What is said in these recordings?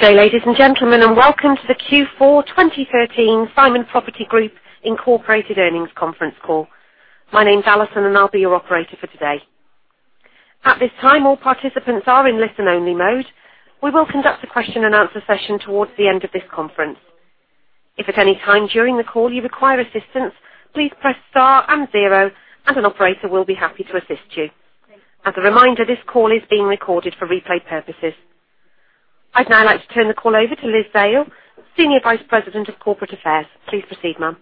Good day, ladies and gentlemen, welcome to the Q4 2013 Simon Property Group Incorporated earnings conference call. My name's Allison, I'll be your operator for today. At this time, all participants are in listen only mode. We will conduct a question and answer session towards the end of this conference. If at any time during the call you require assistance, please press star and zero and an operator will be happy to assist you. As a reminder, this call is being recorded for replay purposes. I'd now like to turn the call over to Liz Zale, Senior Vice President of Corporate Affairs. Please proceed, ma'am.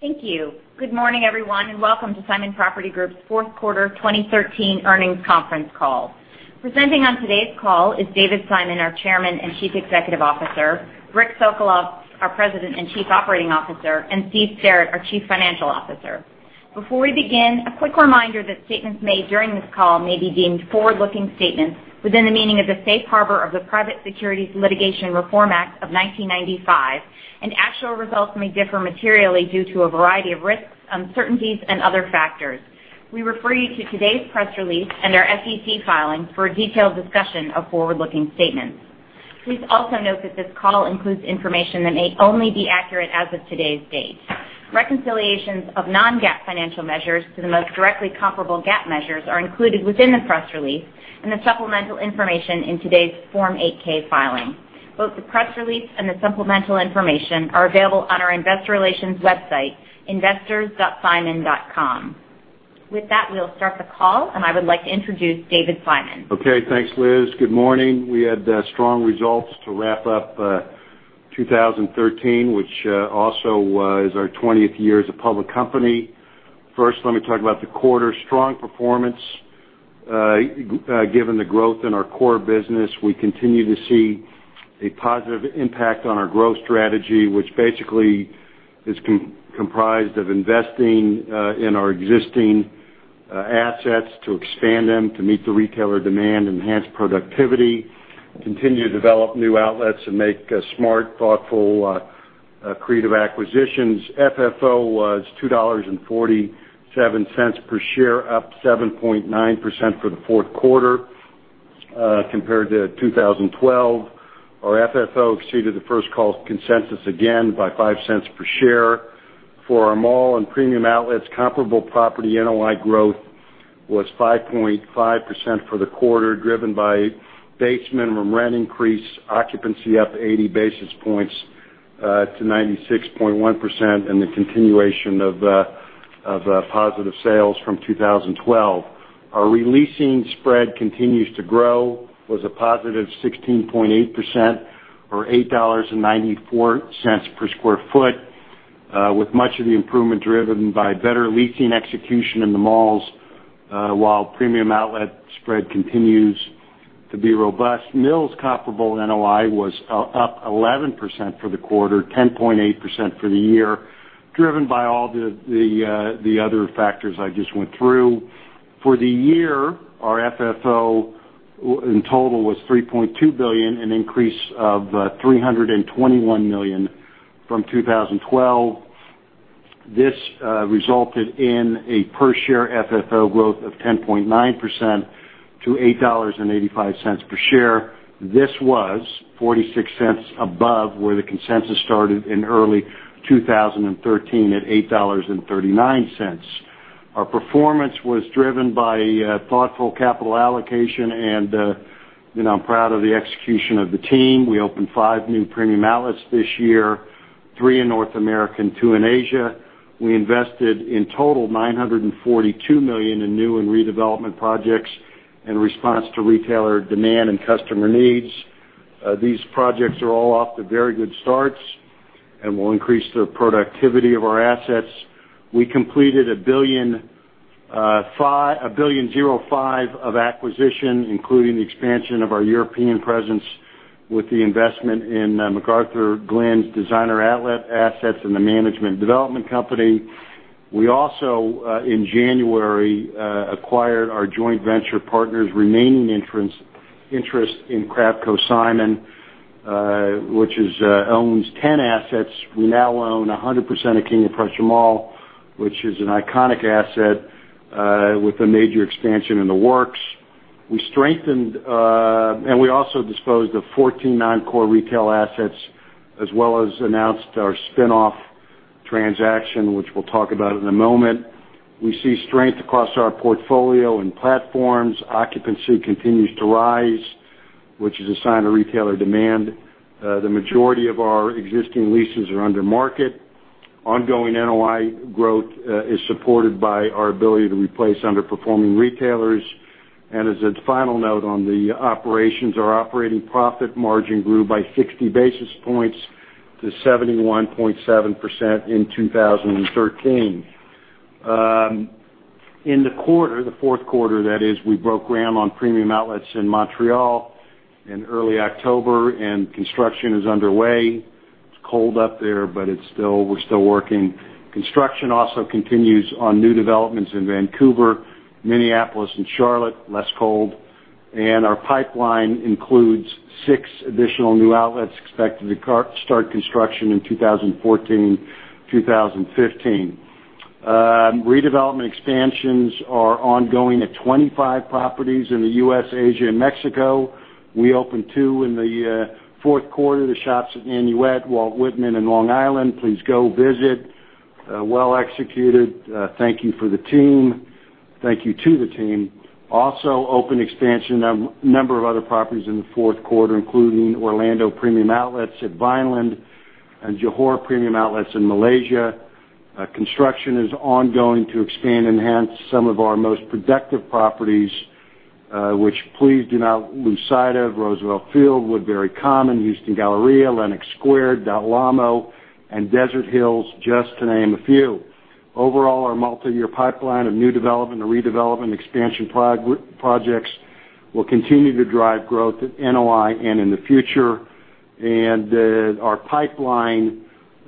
Thank you. Good morning, everyone, welcome to Simon Property Group's fourth quarter 2013 earnings conference call. Presenting on today's call is David Simon, our Chairman and Chief Executive Officer, Richard Sokolov, our President and Chief Operating Officer, and Stephen Sterrett, our Chief Financial Officer. Before we begin, a quick reminder that statements made during this call may be deemed forward-looking statements within the meaning of the Safe Harbor of the Private Securities Litigation Reform Act of 1995, actual results may differ materially due to a variety of risks, uncertainties, and other factors. We refer you to today's press release and our SEC filing for a detailed discussion of forward-looking statements. Please also note that this call includes information that may only be accurate as of today's date. Reconciliations of non-GAAP financial measures to the most directly comparable GAAP measures are included within the press release and the supplemental information in today's Form 8-K filing. Both the press release and the supplemental information are available on our investor relations website, investors.simon.com. With that, we'll start the call, I would like to introduce David Simon. Okay, thanks, Liz. Good morning. We had strong results to wrap up 2013, which also was our 20th year as a public company. First, let me talk about the quarter. Strong performance given the growth in our core business. We continue to see a positive impact on our growth strategy, which basically is comprised of investing in our existing assets to expand them to meet the retailer demand, enhance productivity, continue to develop new outlets, make smart, thoughtful, creative acquisitions. FFO was $2.47 per share, up 7.9% for the fourth quarter compared to 2012. Our FFO exceeded the first call consensus again by $0.05 per share. For our mall and premium outlets, comparable property NOI growth was 5.5% for the quarter, driven by base minimum rent increase, occupancy up 80 basis points to 96.1%, the continuation of positive sales from 2012. Our re-leasing spread continues to grow. Was a positive 16.8% or $8.94 per square foot, with much of the improvement driven by better leasing execution in the malls, while premium outlet spread continues to be robust. Mills comparable NOI was up 11% for the quarter, 10.8% for the year, driven by all the other factors I just went through. For the year, our FFO in total was $3.2 billion, an increase of $321 million from 2012. This resulted in a per share FFO growth of 10.9% to $8.85 per share. This was $0.46 above where the consensus started in early 2013 at $8.39. Our performance was driven by thoughtful capital allocation, and I'm proud of the execution of the team. We opened 5 new premium outlets this year, 3 in North America and 2 in Asia. We invested in total $942 million in new and redevelopment projects in response to retailer demand and customer needs. These projects are all off to very good starts and will increase the productivity of our assets. We completed $1.05 billion of acquisition, including the expansion of our European presence with the investment in McArthurGlen's designer outlet assets and the management and development company. We also, in January, acquired our joint venture partner's remaining interest in Kravco Simon, which owns 10 assets. We now own 100% of King of Prussia Mall, which is an iconic asset with a major expansion in the works. We also disposed of 14 non-core retail assets as well as announced our spin-off transaction, which we'll talk about in a moment. We see strength across our portfolio and platforms. Occupancy continues to rise, which is a sign of retailer demand. The majority of our existing leases are under market. Ongoing NOI growth is supported by our ability to replace underperforming retailers. As a final note on the operations, our operating profit margin grew by 60 basis points to 71.7% in 2013. In the quarter, the fourth quarter that is, we broke ground on premium outlets in Montreal in early October, and construction is underway. It's cold up there, but we're still working. Construction also continues on new developments in Vancouver, Minneapolis, and Charlotte. Less cold. Our pipeline includes 6 additional new outlets expected to start construction in 2014, 2015. Redevelopment expansions are ongoing at 25 properties in the U.S., Asia, and Mexico. We open 2 in the fourth quarter, the Shops at Nanuet, Walt Whitman and Long Island. Please go visit. Well executed. Thank you to the team. Also opened expansion of a number of other properties in the fourth quarter, including Orlando Premium Outlets at Vineland and Johor Premium Outlets in Malaysia. Construction is ongoing to expand, enhance some of our most productive properties, which please do not lose sight of, Roosevelt Field, Woodbury Common, Houston Galleria, Lenox Square, Del Amo, and Desert Hills, just to name a few. Overall, our multi-year pipeline of new development or redevelopment expansion projects will continue to drive growth at NOI and in the future. Our pipeline,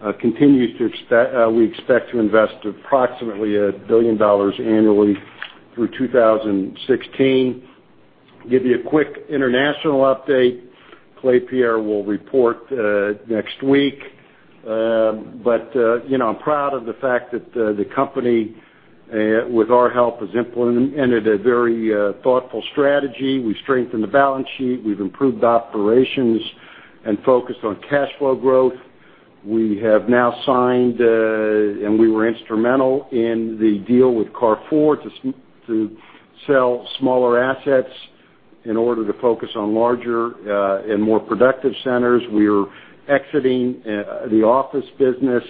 we expect to invest approximately $1 billion annually through 2016. Give you a quick international update. Klépierre will report next week. I'm proud of the fact that the company, with our help, has implemented a very thoughtful strategy. We've strengthened the balance sheet. We've improved operations and focused on cash flow growth. We have now signed, and we were instrumental in the deal with Carrefour to sell smaller assets in order to focus on larger and more productive centers. We are exiting the office business.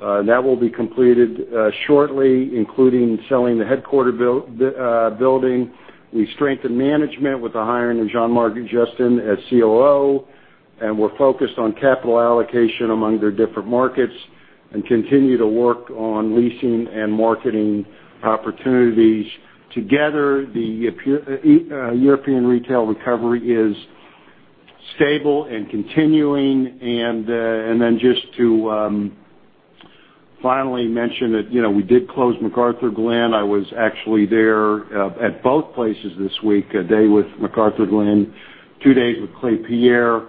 That will be completed shortly, including selling the headquarter building. We strengthened management with the hiring of Jean-Marc Jestin as COO. We're focused on capital allocation among their different markets and continue to work on leasing and marketing opportunities. Together, the European retail recovery is stable and continuing. Just to finally mention that we did close McArthurGlen. I was actually there at both places this week, a day with McArthurGlen, two days with Klépierre.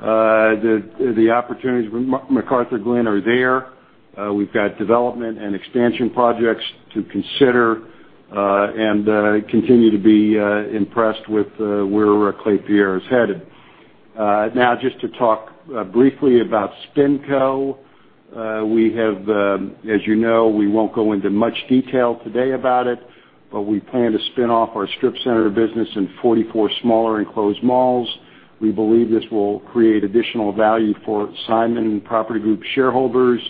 The opportunities with McArthurGlen are there. We've got development and expansion projects to consider, and continue to be impressed with where Klépierre is headed. Now, just to talk briefly about SpinCo. As you know, we won't go into much detail today about it, but we plan to spin off our strip center business in 44 smaller enclosed malls. We believe this will create additional value for Simon Property Group shareholders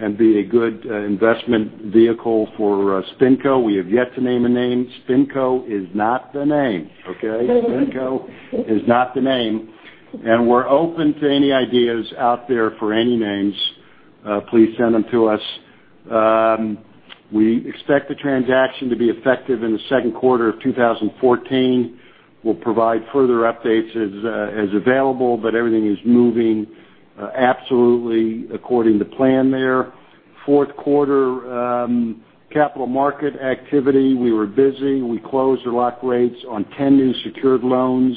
and be a good investment vehicle for SpinCo. We have yet to name a name. SpinCo is not the name, okay? SpinCo is not the name. We're open to any ideas out there for any names. Please send them to us. We expect the transaction to be effective in the second quarter of 2014. We'll provide further updates as available, but everything is moving absolutely according to plan there. Fourth quarter capital market activity, we were busy. We closed or locked rates on 10 new secured loans,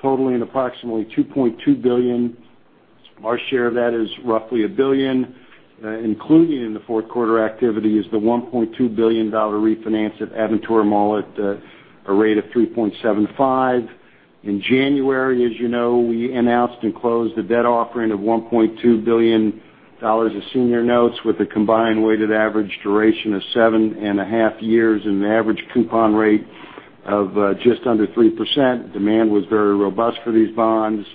totaling approximately $2.2 billion. Our share of that is roughly $1 billion. Included in the fourth quarter activity is the $1.2 billion refinance of Aventura Mall at a rate of 3.75%. In January, as you know, we announced and closed a debt offering of $1.2 billion of senior notes with a combined weighted average duration of seven and a half years and an average coupon rate of just under 3%. Demand was very robust for these bonds.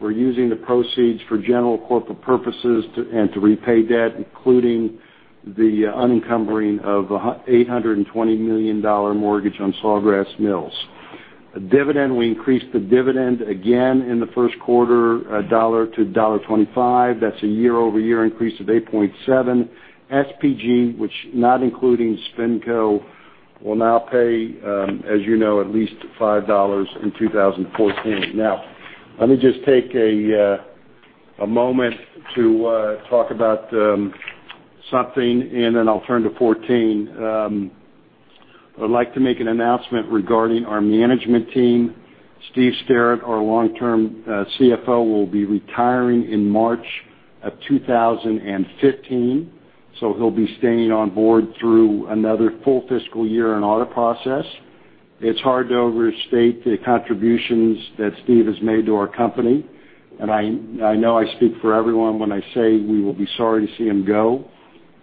We're using the proceeds for general corporate purposes and to repay debt, including the unencumbering of a $820 million mortgage on Sawgrass Mills. Dividend. We increased the dividend again in the first quarter, $1 to $1.25. That's a year-over-year increase of 8.7%. SPG, which not including SpinCo, will now pay, as you know, at least $5 in 2014. Let me just take a moment to talk about something. I'll turn to 2014. I would like to make an announcement regarding our management team. Steve Sterrett, our long-term CFO, will be retiring in March of 2015. He'll be staying on board through another full fiscal year and audit process. It's hard to overstate the contributions that Steve has made to our company. I know I speak for everyone when I say we will be sorry to see him go.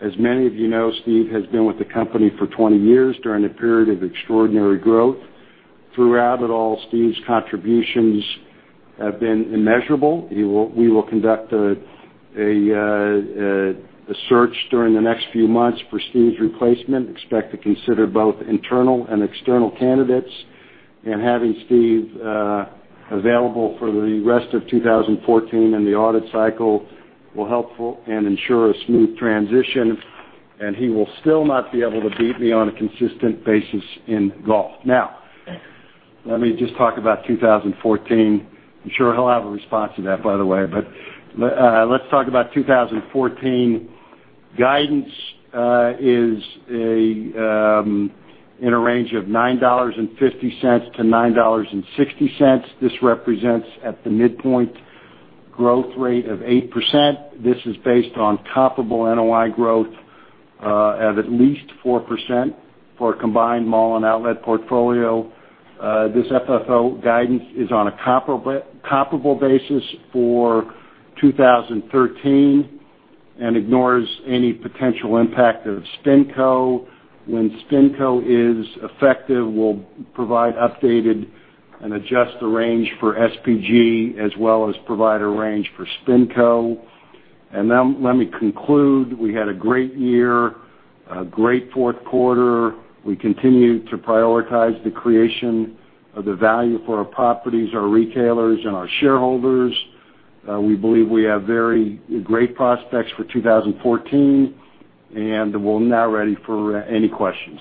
As many of you know, Steve has been with the company for 20 years during a period of extraordinary growth. Throughout it all, Steve's contributions have been immeasurable. We will conduct a search during the next few months for Steve's replacement, expect to consider both internal and external candidates. Having Steve available for the rest of 2014 and the audit cycle will helpful and ensure a smooth transition. He will still not be able to beat me on a consistent basis in golf. Let me just talk about 2014. I'm sure he'll have a response to that, by the way. Let's talk about 2014. Guidance is in a range of $9.50 to $9.60. This represents at the midpoint growth rate of 8%. This is based on comparable NOI growth of at least 4% for a combined mall and outlet portfolio. This FFO guidance is on a comparable basis for 2013 and ignores any potential impact of SpinCo. When SpinCo is effective, we'll provide updated and adjust the range for SPG as well as provide a range for SpinCo. Now let me conclude. We had a great year, a great fourth quarter. We continue to prioritize the creation of the value for our properties, our retailers, and our shareholders. We believe we have very great prospects for 2014, and we're now ready for any questions.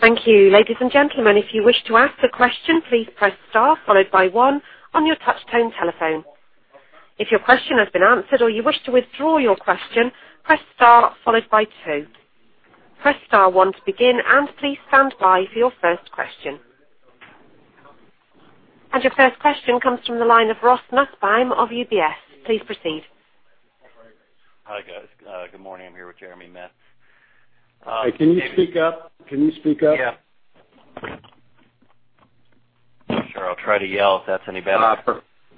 Thank you. Ladies and gentlemen, if you wish to ask a question, please press star followed by one on your touch-tone telephone. If your question has been answered or you wish to withdraw your question, press star followed by two. Press star one to begin, and please stand by for your first question. Your first question comes from the line of Ross Nussbaum of UBS. Please proceed. Hi, guys. Good morning. I'm here with Jeremy Metz. Can you speak up? Yeah. Sure. I'll try to yell if that's any better.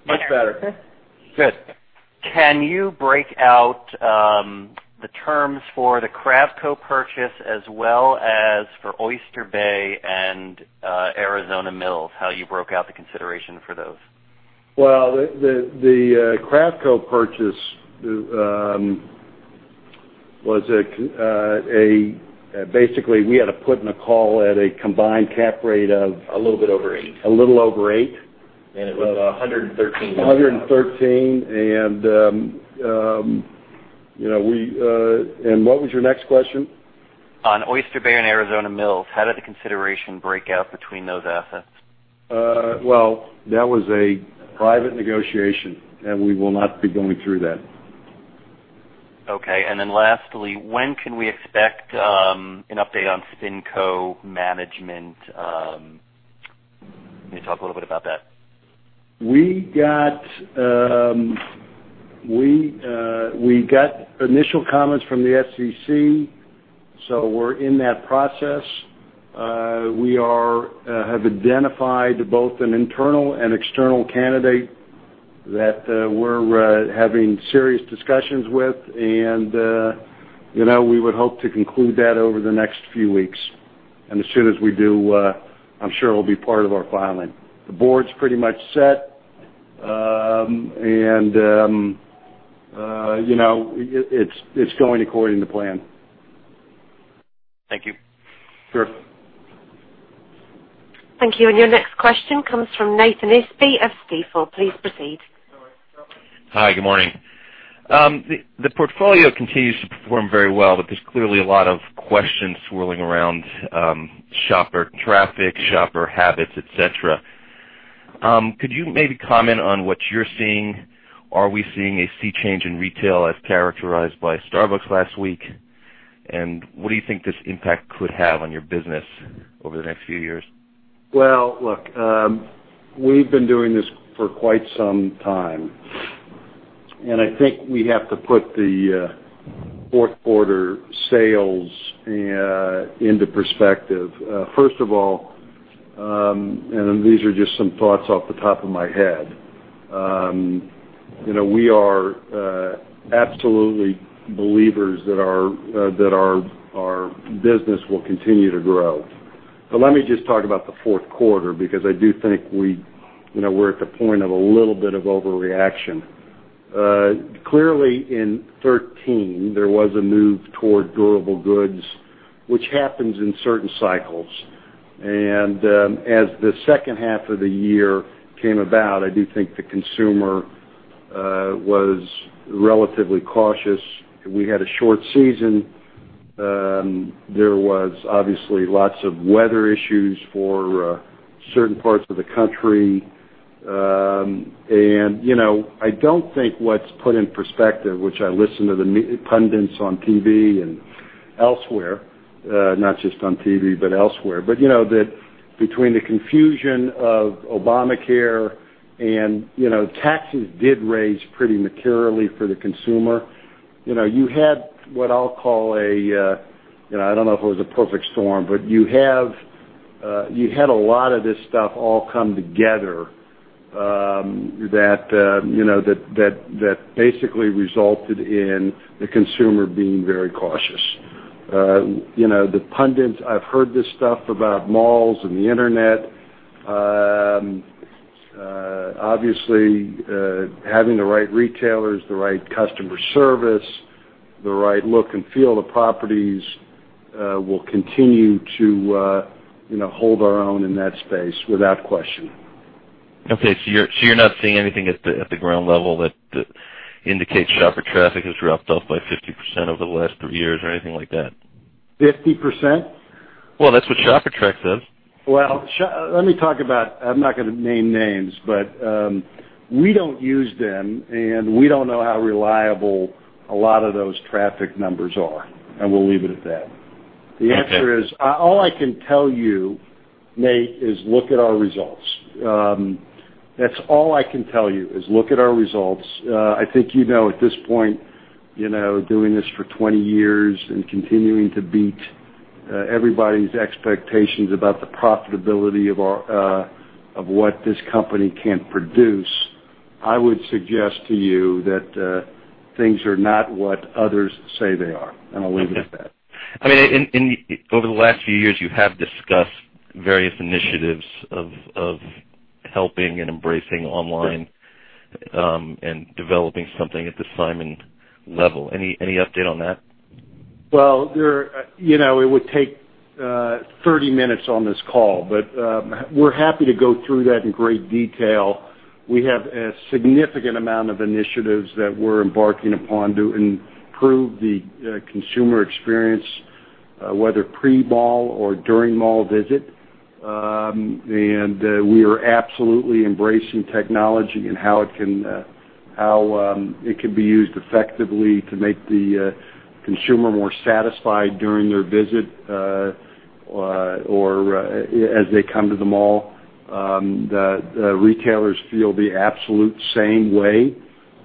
Much better. Good. Can you break out the terms for the Kravco purchase as well as for Oyster Bay and Arizona Mills, how you broke out the consideration for those? The Kravco purchase, basically, we had a put and a call at a combined cap rate of- A little bit over eight. A little over eight. It was $113 million. $113. What was your next question? On Oyster Bay and Arizona Mills, how did the consideration break out between those assets? Well, that was a private negotiation. We will not be going through that. Okay. Lastly, when can we expect an update on SpinCo management? Can you talk a little bit about that? We got initial comments from the SEC. We're in that process. We have identified both an internal and external candidate that we're having serious discussions with. We would hope to conclude that over the next few weeks. As soon as we do, I'm sure it'll be part of our filing. The board's pretty much set. It's going according to plan. Thank you. Sure. Thank you. Your next question comes from Nathan Isbee of Stifel. Please proceed. Hi, good morning. The portfolio continues to perform very well, but there's clearly a lot of questions swirling around shopper traffic, shopper habits, et cetera. Could you maybe comment on what you're seeing? Are we seeing a sea change in retail as characterized by Starbucks last week? What do you think this impact could have on your business over the next few years? Well, look, we've been doing this for quite some time, and I think we have to put the fourth quarter sales into perspective. First of all, and these are just some thoughts off the top of my head. We are absolutely believers that our business will continue to grow. Let me just talk about the fourth quarter, because I do think we're at the point of a little bit of overreaction. Clearly in 2013, there was a move toward durable goods, which happens in certain cycles. As the second half of the year came about, I do think the consumer was relatively cautious. We had a short season. There was obviously lots of weather issues for certain parts of the country. I don't think what's put in perspective, which I listen to the pundits on TV and elsewhere, not just on TV, but elsewhere. That between the confusion of Obamacare and taxes did raise pretty materially for the consumer. You had what I'll call, I don't know if it was a perfect storm, but you had a lot of this stuff all come together that basically resulted in the consumer being very cautious. The pundits, I've heard this stuff about malls and the internet. Obviously, having the right retailers, the right customer service, the right look and feel of properties will continue to hold our own in that space without question. You're not seeing anything at the ground level that indicates shopper traffic has roughed up by 50% over the last three years or anything like that? 50%? That's what ShopperTrak says. Let me talk about, I'm not going to name names, but we don't use them, and we don't know how reliable a lot of those traffic numbers are, and we'll leave it at that. The answer is, all I can tell you, Nate, is look at our results. That's all I can tell you, is look at our results. I think you know at this point, doing this for 20 years and continuing to beat everybody's expectations about the profitability of what this company can produce. I would suggest to you that things are not what others say they are. I'll leave it at that. Okay. Over the last few years, you have discussed various initiatives of helping and embracing online and developing something at the Simon level. Any update on that? Well, it would take 30 minutes on this call, we're happy to go through that in great detail. We have a significant amount of initiatives that we're embarking upon to improve the consumer experience, whether pre-mall or during mall visit. We are absolutely embracing technology and how it can be used effectively to make the consumer more satisfied during their visit or as they come to the mall. The retailers feel the absolute same way.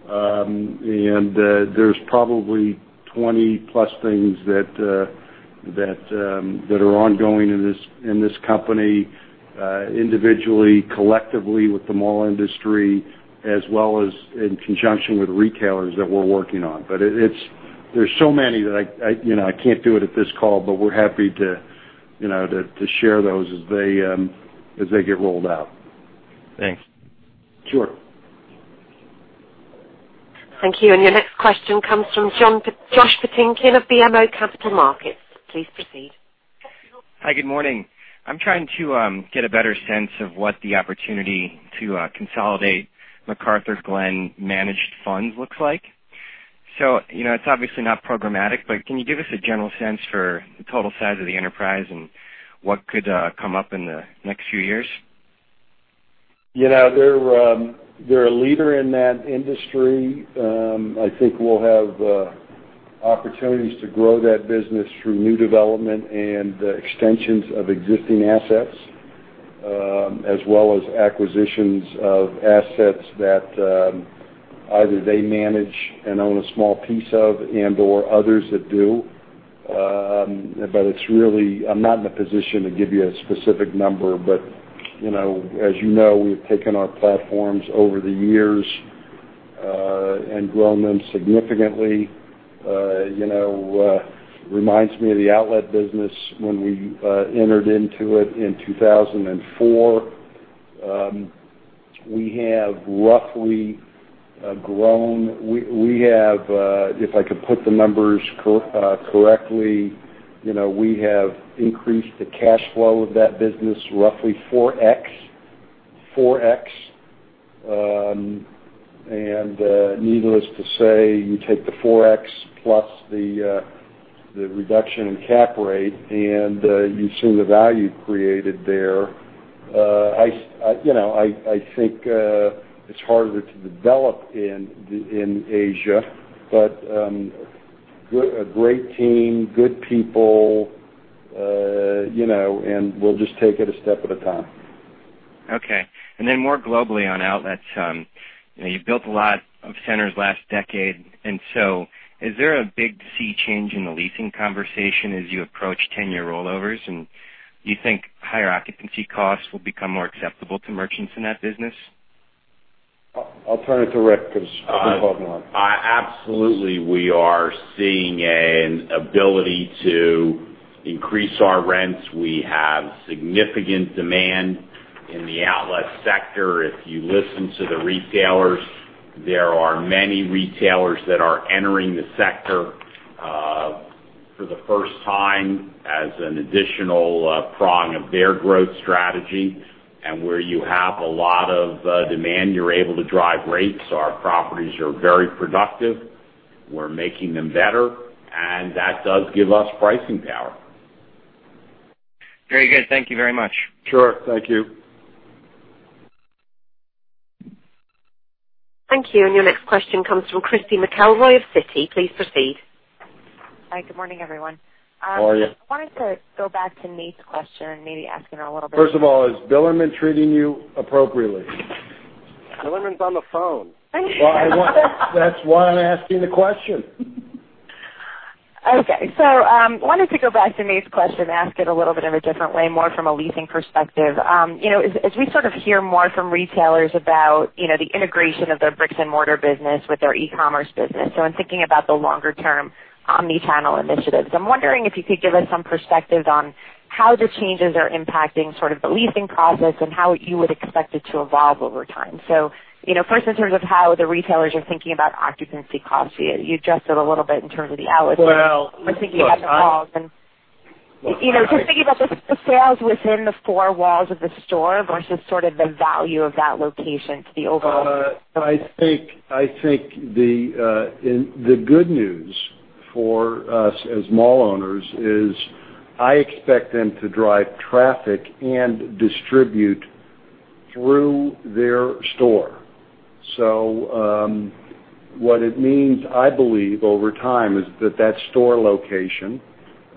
There's probably 20-plus things that are ongoing in this company, individually, collectively with the mall industry, as well as in conjunction with retailers that we're working on. There's so many that I can't do it at this call, we're happy to share those as they get rolled out. Thanks. Sure. Thank you. Your next question comes from Joshua Patinkin of BMO Capital Markets. Please proceed. Hi, good morning. I'm trying to get a better sense of what the opportunity to consolidate McArthurGlen managed funds looks like. It's obviously not programmatic, can you give us a general sense for the total size of the enterprise and what could come up in the next few years? They're a leader in that industry. I think we'll have opportunities to grow that business through new development and extensions of existing assets, as well as acquisitions of assets that either they manage and own a small piece of and/or others that do. I'm not in a position to give you a specific number, as you know, we've taken our platforms over the years and grown them significantly. Reminds me of the outlet business when we entered into it in 2004. We have, if I could put the numbers correctly, we have increased the cash flow of that business roughly 4x. Needless to say, you take the 4x plus the reduction in cap rate, and you see the value created there. I think it's harder to develop in Asia, a great team, good people, and we'll just take it a step at a time. Okay. More globally on outlets, you built a lot of centers last decade, is there a big sea change in the leasing conversation as you approach 10-year rollovers, do you think higher occupancy costs will become more acceptable to merchants in that business? I'll turn it to Rick because he's involved more. Absolutely, we are seeing an ability to increase our rents. We have significant demand in the outlet sector. If you listen to the retailers, there are many retailers that are entering the sector for the first time as an additional prong of their growth strategy. Where you have a lot of demand, you're able to drive rates. Our properties are very productive. We're making them better, and that does give us pricing power. Very good. Thank you very much. Sure. Thank you. Thank you. Your next question comes from Christy McElroy of Citi. Please proceed. Hi, good morning, everyone. How are you? I wanted to go back to Nate's question. First of all, is Bilerman treating you appropriately? Bilerman's on the phone. That's why I'm asking the question. Okay, wanted to go back to Nate's question, ask it a little bit in a different way, more from a leasing perspective. As we sort of hear more from retailers about the integration of their bricks and mortar business with their e-commerce business, so I'm thinking about the longer term omni-channel initiatives. I'm wondering if you could give us some perspective on how the changes are impacting sort of the leasing process and how you would expect it to evolve over time. First in terms of how the retailers are thinking about occupancy costs. You addressed it a little bit in terms of the outlets- Well, look, We're thinking about the malls and just thinking about the sales within the four walls of the store versus sort of the value of that location to the overall- I think the good news for us as mall owners is I expect them to drive traffic and distribute through their store. What it means, I believe, over time, is that that store location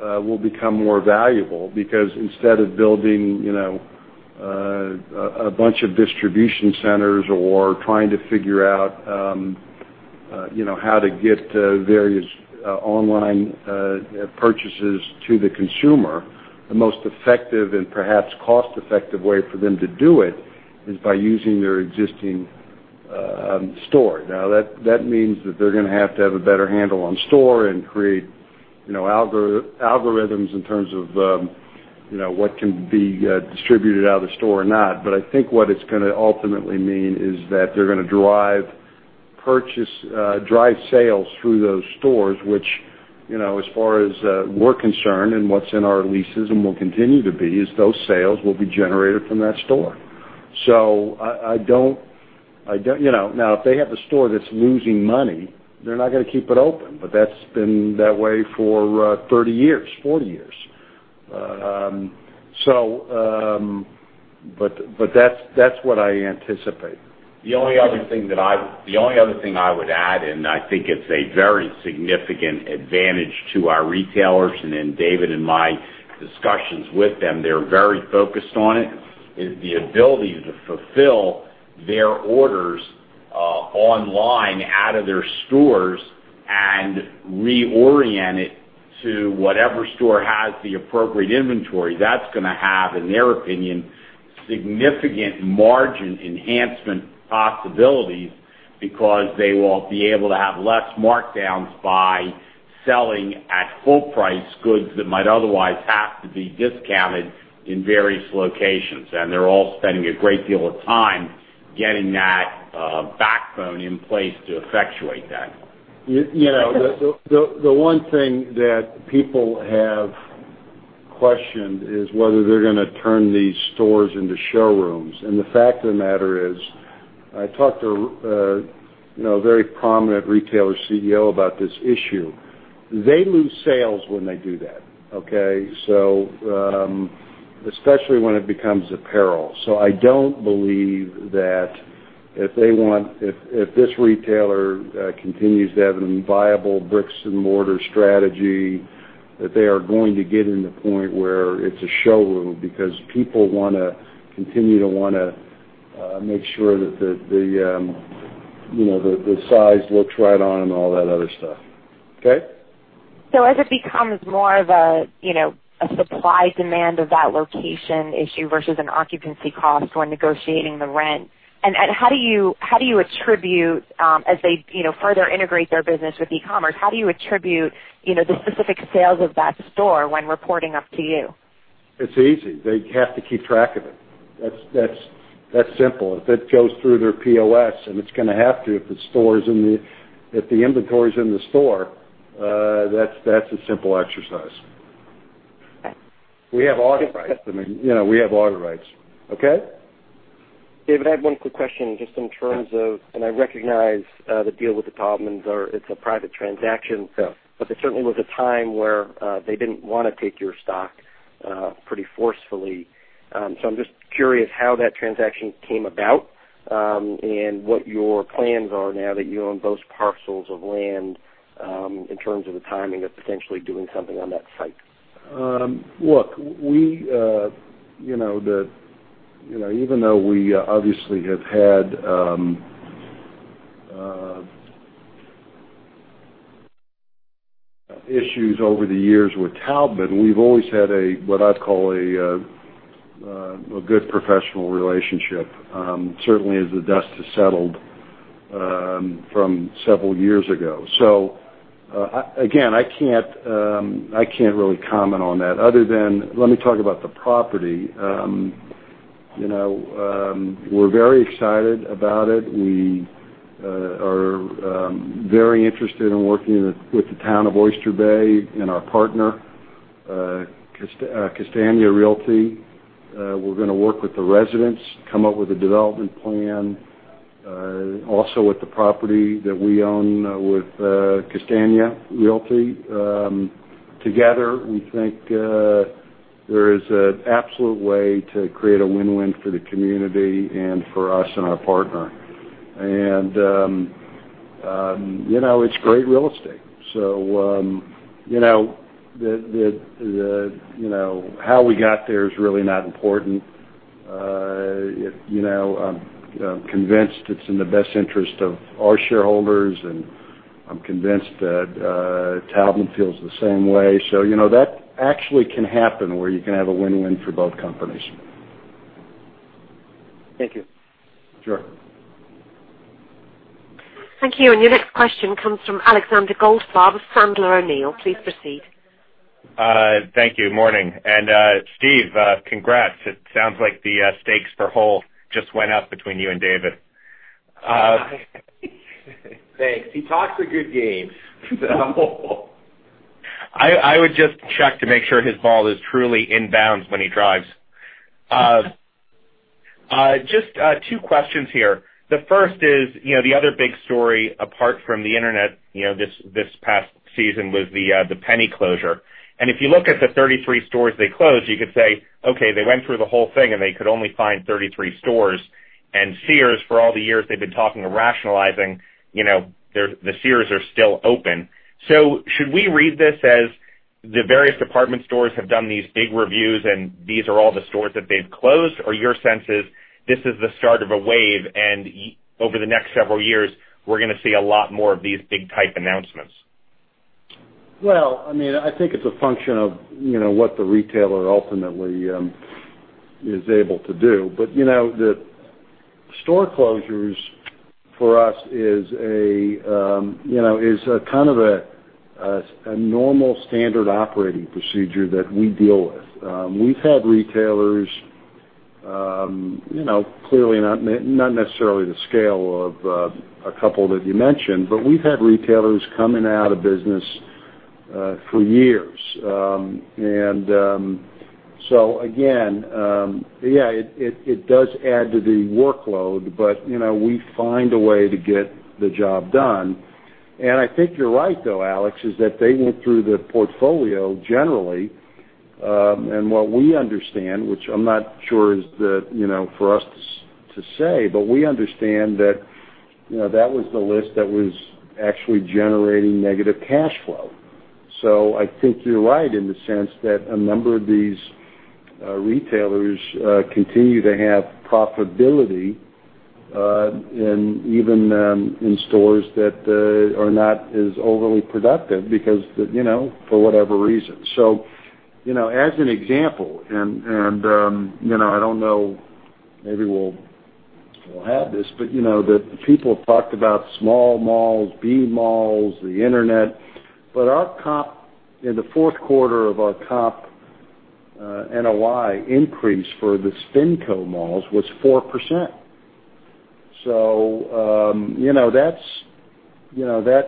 will become more valuable, because instead of building a bunch of distribution centers or trying to figure out how to get various online purchases to the consumer, the most effective and perhaps cost-effective way for them to do it is by using their existing store. That means that they're going to have to have a better handle on store and create algorithms in terms of what can be distributed out of the store or not. I think what it's going to ultimately mean is that they're going to drive sales through those stores, which, as far as we're concerned and what's in our leases and will continue to be, is those sales will be generated from that store. If they have a store that's losing money, they're not going to keep it open, but that's been that way for 30 years, 40 years. That's what I anticipate. The only other thing I would add, and I think it's a very significant advantage to our retailers, and in David and my discussions with them, they're very focused on it, is the ability to fulfill their orders online out of their stores and reorient it to whatever store has the appropriate inventory. That's going to have, in their opinion, significant margin enhancement possibilities because they will be able to have less markdowns by selling at full price goods that might otherwise have to be discounted in various locations. They're all spending a great deal of time getting that backbone in place to effectuate that. The one thing that people have questioned is whether they're going to turn these stores into showrooms. The fact of the matter is, I talked to a very prominent retailer CEO about this issue. They lose sales when they do that, okay? Especially when it becomes apparel. I don't believe that if this retailer continues to have a viable bricks and mortar strategy, that they are going to get in the point where it's a showroom because people want to continue to want to make sure that the size looks right on them and all that other stuff. Okay? As it becomes more of a supply-demand of that location issue versus an occupancy cost when negotiating the rent, how do you attribute, as they further integrate their business with e-commerce, how do you attribute the specific sales of that store when reporting up to you? It's easy. They have to keep track of it. That simple. If it goes through their POS, and it's going to have to, if the inventory's in the store, that's a simple exercise. We have audit rights. We have audit rights. Okay? David, I have one quick question, just in terms of, and I recognize the deal with the Taubman, it's a private transaction. Yeah. There certainly was a time where they didn't want to take your stock pretty forcefully. I'm just curious how that transaction came about, and what your plans are now that you own both parcels of land, in terms of the timing of potentially doing something on that site. Look, even though we obviously have had issues over the years with Taubman, we've always had a, what I'd call a good professional relationship. Certainly, as the dust has settled from several years ago. Again, I can't really comment on that other than, let me talk about the property. We're very excited about it. We are very interested in working with the town of Oyster Bay and our partner, Castagna Realty. We're going to work with the residents, come up with a development plan, also with the property that we own with Castagna Realty. Together, we think there is an absolute way to create a win-win for the community and for us and our partner. It's great real estate. How we got there is really not important. I'm convinced it's in the best interest of our shareholders, and I'm convinced that Taubman feels the same way. That actually can happen where you can have a win-win for both companies. Thank you. Sure. Thank you. Your next question cotmes from Alexander Goldfarb of Sandler O'Neill. Please proceed. Thank you. Morning. Steve, congrats. It sounds like the stakes per hole just went up between you and David. Thanks. He talks a good game. I would just check to make sure his ball is truly inbounds when he drives. Just two questions here. The first is, the other big story apart from the internet this past season was the Penney closure. If you look at the 33 stores they closed, you could say, okay, they went through the whole thing and they could only find 33 stores. Sears, for all the years they've been talking of rationalizing, the Sears are still open. Should we read this as the various department stores have done these big reviews, and these are all the stores that they've closed, or your sense is this is the start of a wave and, over the next several years, we're going to see a lot more of these big type announcements? Well, I think it's a function of what the retailer ultimately is able to do. The store closures for us is a kind of a normal standard operating procedure that we deal with. We've had retailers, clearly not necessarily the scale of a couple that you mentioned, but we've had retailers coming out of business for years. Again, yeah, it does add to the workload, but we find a way to get the job done. I think you're right, though, Alex, is that they went through the portfolio generally, and what we understand, which I'm not sure is for us to say, but we understand that was the list that was actually generating negative cash flow. I think you're right in the sense that a number of these retailers continue to have profitability, even in stores that are not as overly productive because for whatever reason. As an example, and I don't know, maybe we'll have this, but the people have talked about small malls, B malls, the internet, but in the fourth quarter of our comp, NOI increase for the SpinCo malls was 4%.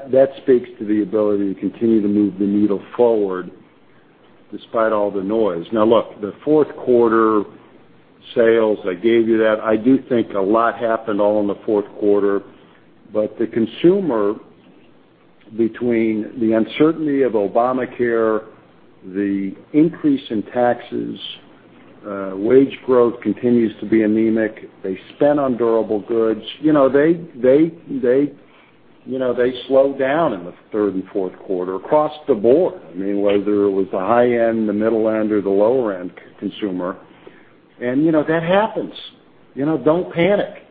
That speaks to the ability to continue to move the needle forward despite all the noise. Now look, the fourth quarter sales, I gave you that. I do think a lot happened all in the fourth quarter. The consumer, between the uncertainty of Obamacare, the increase in taxes, wage growth continues to be anemic. They spent on durable goods. They slowed down in the third and fourth quarter across the board, I mean, whether it was the high end, the middle end, or the lower end consumer. That happens. Don't panic.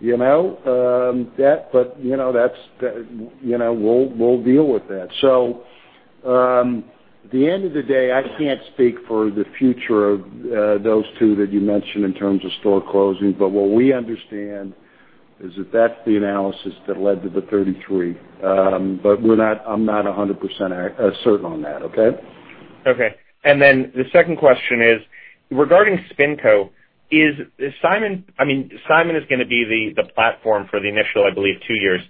We'll deal with that. At the end of the day, I can't speak for the future of those two that you mentioned in terms of store closings, but what we understand is that's the analysis that led to the 33. But I'm not 100% certain on that, okay? Okay. The second question is, regarding SpinCo, Simon is going to be the platform for the initial, I believe, two years.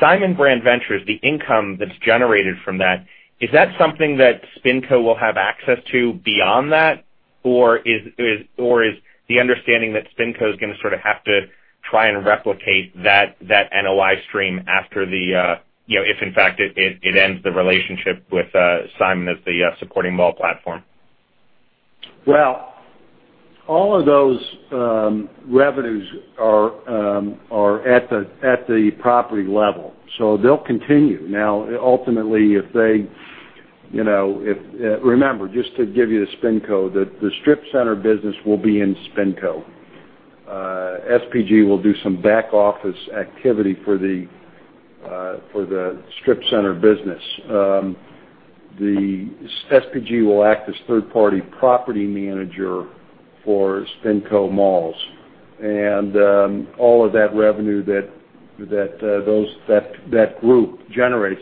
Simon Brand Ventures, the income that's generated from that, is that something that SpinCo will have access to beyond that? Or is the understanding that SpinCo is going to sort of have to try and replicate that NOI stream after the, if in fact it ends the relationship with Simon as the supporting mall platform. Well, all of those revenues are at the property level, so they'll continue. Ultimately, remember, just to give you the SpinCo, the strip center business will be in SpinCo. SPG will do some back office activity for the strip center business. SPG will act as third-party property manager for SpinCo malls. All of that revenue that group generates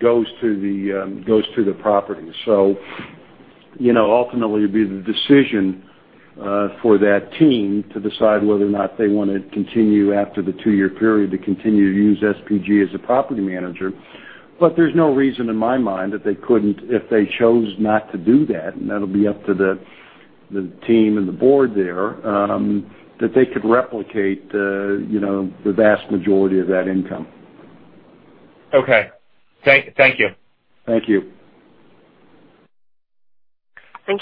goes to the property. Ultimately, it'd be the decision for that team to decide whether or not they want to continue after the two-year period to continue to use SPG as a property manager. There's no reason in my mind that they couldn't, if they chose not to do that, and that'll be up to the team and the board there, that they could replicate the vast majority of that income. Okay. Thank you. Thank you. Thank you.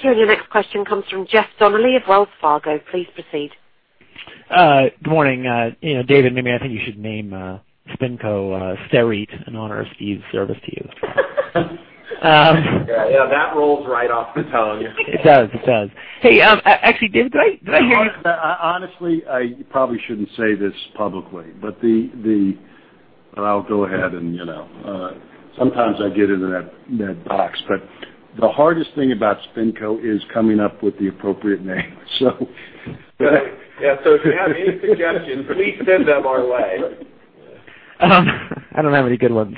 Your next question comes from Jeff Donnelly of Wells Fargo. Please proceed. Good morning. David, maybe I think you should name SpinCo Seritage in honor of Steve's service to you. Yeah. That rolls right off the tongue. It does. Hey, actually, did I hear you? Honestly, I probably shouldn't say this publicly, but I'll go ahead and Sometimes I get into that box, but the hardest thing about SpinCo is coming up with the appropriate name. Right. Yeah. If you have any suggestions, please send them our way. I don't have any good ones.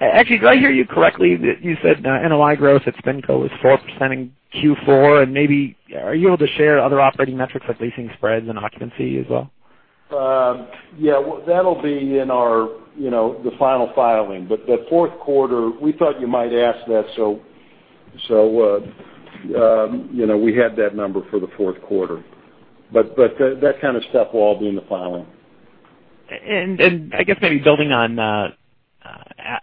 Actually, did I hear you correctly that you said NOI growth at SpinCo was 4% in Q4? Maybe are you able to share other operating metrics like leasing spreads and occupancy as well? Yeah. That'll be in the final filing. The fourth quarter, we thought you might ask that, so we had that number for the fourth quarter. That kind of stuff will all be in the filing. I guess maybe building on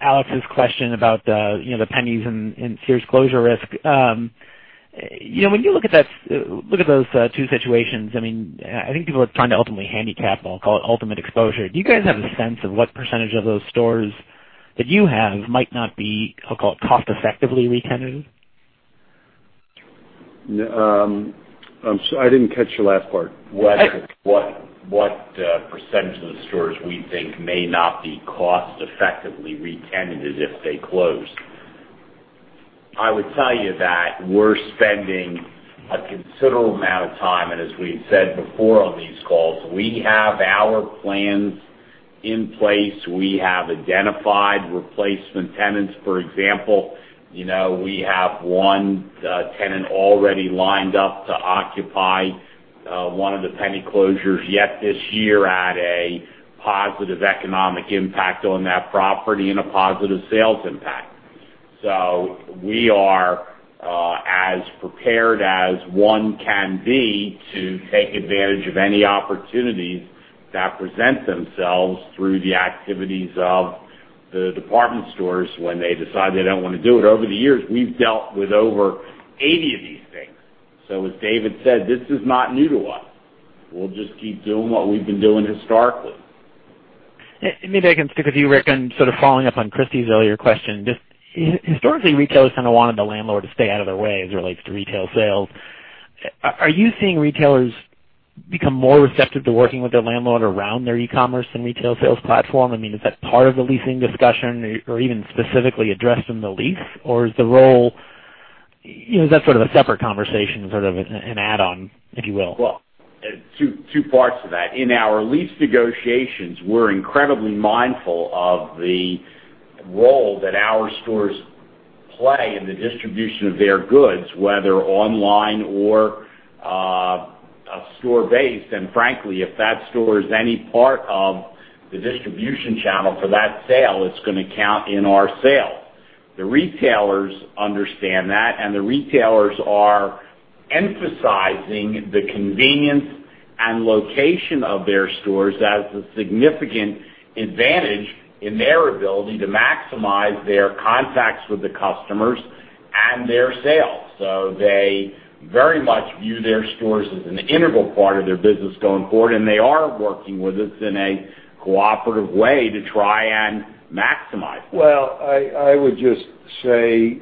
Alex's question about the Penneys and Sears closure risk. When you look at those two situations, I think people are trying to ultimately handicap, and I'll call it ultimate exposure. Do you guys have a sense of what percentage of those stores that you have might not be, I'll call it, cost-effectively re-tenanted? I'm sorry, I didn't catch the last part. What percentage of the stores we think may not be cost-effectively re-tenanted if they close. I would tell you that we're spending a considerable amount of time. As we've said before on these calls, we have our plans in place. We have identified replacement tenants. For example, we have one tenant already lined up to occupy one of the Penney closures yet this year at a positive economic impact on that property and a positive sales impact. We are as prepared as one can be to take advantage of any opportunities that present themselves through the activities of the department stores when they decide they don't want to do it. Over the years, we've dealt with over 80 of these things. As David said, this is not new to us. We'll just keep doing what we've been doing historically. Maybe I can stick with you, Rick, and sort of following up on Christy's earlier question. Just historically, retailers kind of wanted the landlord to stay out of their way as it relates to retail sales. Are you seeing retailers become more receptive to working with their landlord around their e-commerce and retail sales platform? Is that part of the leasing discussion or even specifically addressed in the lease, or is that sort of a separate conversation, sort of an add-on, if you will? Well, two parts to that. In our lease negotiations, we're incredibly mindful of the role that our stores play in the distribution of their goods, whether online or store-based. Frankly, if that store is any part of the distribution channel for that sale, it's going to count in our sale. The retailers understand that, the retailers are emphasizing the convenience and location of their stores as a significant advantage in their ability to maximize their contacts with the customers and their sales. They very much view their stores as an integral part of their business going forward, and they are working with us in a cooperative way to try and maximize that. Well, I would just say,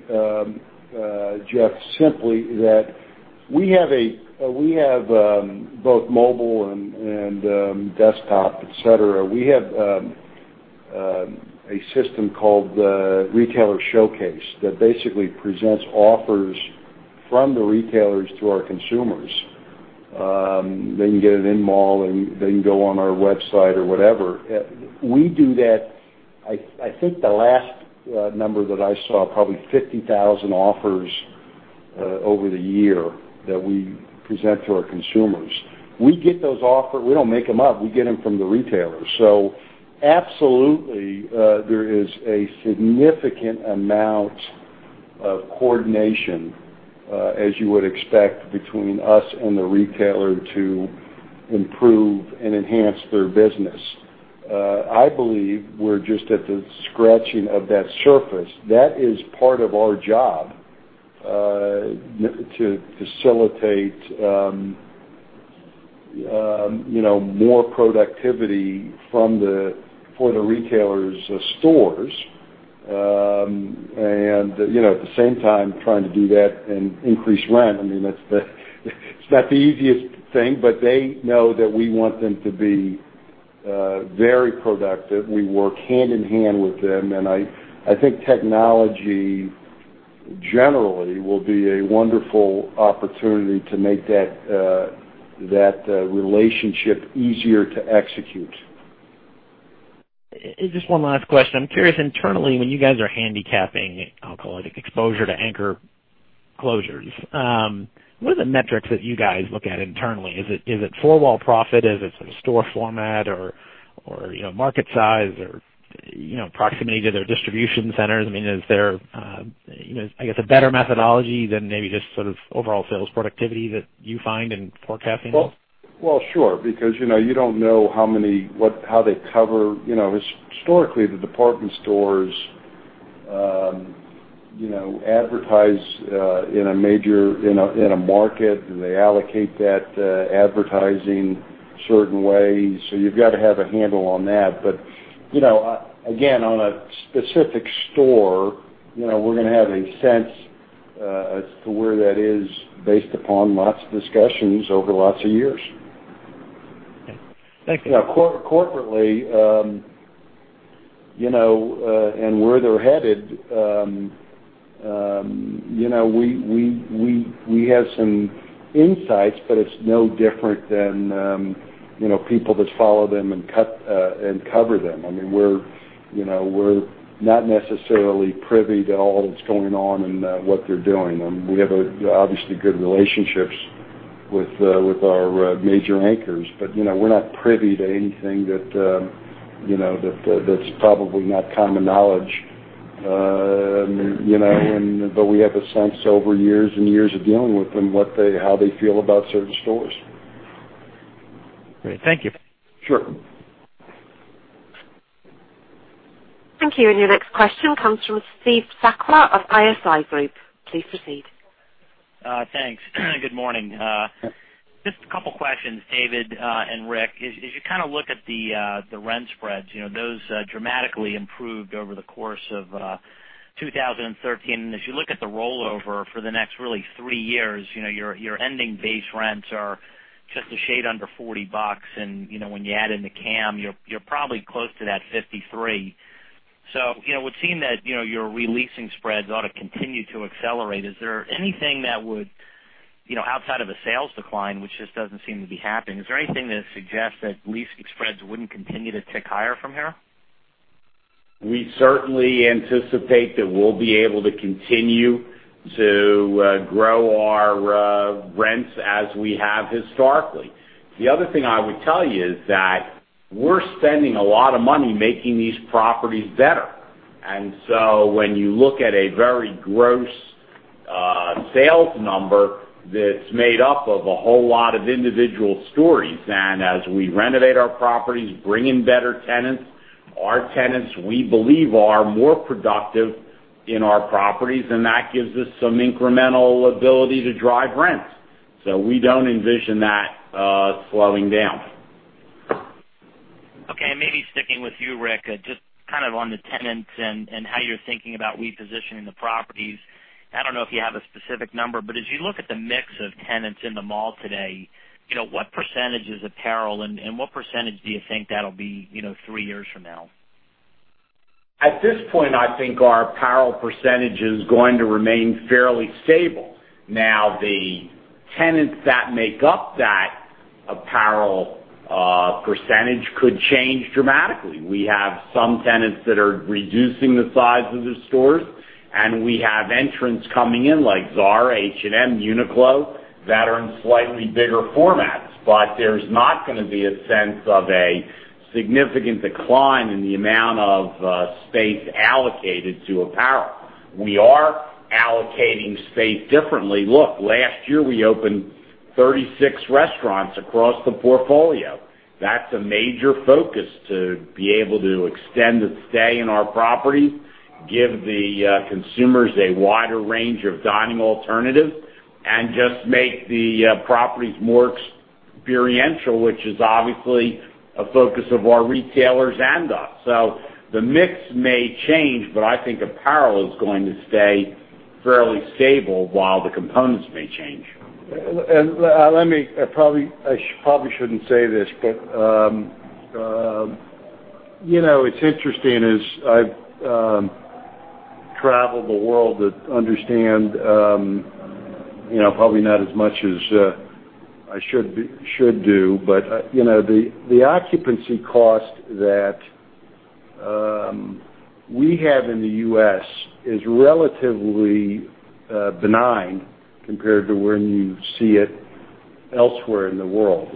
Jeff, simply that we have both mobile and desktop, et cetera. We have a system called the Retailer Showcase that basically presents offers from the retailers to our consumers. They can get it in-mall, or they can go on our website or whatever. We do that, I think the last number that I saw, probably 50,000 offers over the year that we present to our consumers. We get those offers. We don't make them up. We get them from the retailers. Absolutely, there is a significant amount of coordination, as you would expect, between us and the retailer to improve and enhance their business. I believe we're just at the scratching of that surface. That is part of our job, to facilitate more productivity for the retailers' stores. At the same time, trying to do that and increase rent. It's not the easiest thing, they know that we want them to be very productive. We work hand in hand with them, I think technology generally will be a wonderful opportunity to make that relationship easier to execute. Just one last question. I'm curious, internally, when you guys are handicapping, I'll call it, exposure to anchor closures, what are the metrics that you guys look at internally? Is it four-wall profit? Is it store format or market size or proximity to their distribution centers? Is there, I guess, a better methodology than maybe just sort of overall sales productivity that you find in forecasting? Well, sure, because you don't know how they cover. Historically, the department stores advertise in a market, and they allocate that advertising certain ways. You've got to have a handle on that. Again, on a specific store, we're going to have a sense as to where that is based upon lots of discussions over lots of years. Okay. Thank you. Now, corporately, where they're headed, we have some insights, it's no different than people that follow them and cover them. We're not necessarily privy to all that's going on and what they're doing, and we have obviously good relationships with our major anchors. We're not privy to anything that's probably not common knowledge. We have a sense over years and years of dealing with them, how they feel about certain stores. Great. Thank you. Sure. Thank you. Your next question comes from Steve Sakwa of ISI Group. Please proceed. Thanks. Good morning. Just a couple questions, David and Rick. As you look at the rent spreads, those dramatically improved over the course of 2013. As you look at the rollover for the next really 3 years, your ending base rents are just a shade under $40, and when you add in the CAM, you're probably close to that $53. It would seem that your releasing spreads ought to continue to accelerate. Is there anything that would, outside of a sales decline, which just doesn't seem to be happening, is there anything that suggests that leasing spreads wouldn't continue to tick higher from here? We certainly anticipate that we'll be able to continue to grow our rents as we have historically. The other thing I would tell you is that we're spending a lot of money making these properties better. When you look at a very gross sales number, that's made up of a whole lot of individual stories, and as we renovate our properties, bring in better tenants, our tenants, we believe, are more productive in our properties, and that gives us some incremental ability to drive rents. We don't envision that slowing down. Okay, maybe sticking with you, Rick, just on the tenants and how you're thinking about repositioning the properties. I don't know if you have a specific number, but as you look at the mix of tenants in the mall today, what percentage is apparel and what percentage do you think that'll be 3 years from now? At this point, I think our apparel percentage is going to remain fairly stable. The tenants that make up that apparel percentage could change dramatically. We have some tenants that are reducing the size of their stores, and we have entrants coming in like Zara, H&M, Uniqlo, that are in slightly bigger formats. There's not going to be a sense of a significant decline in the amount of space allocated to apparel. We are allocating space differently. Look, last year, we opened 36 restaurants across the portfolio. That's a major focus to be able to extend the stay in our property, give the consumers a wider range of dining alternatives, and just make the properties more experiential, which is obviously a focus of our retailers and us. The mix may change, but I think apparel is going to stay fairly stable while the components may change. Let me probably shouldn't say this, it's interesting is I've traveled the world to understand probably not as much as I should do, the occupancy cost that we have in the U.S. is relatively benign compared to when you see it elsewhere in the world.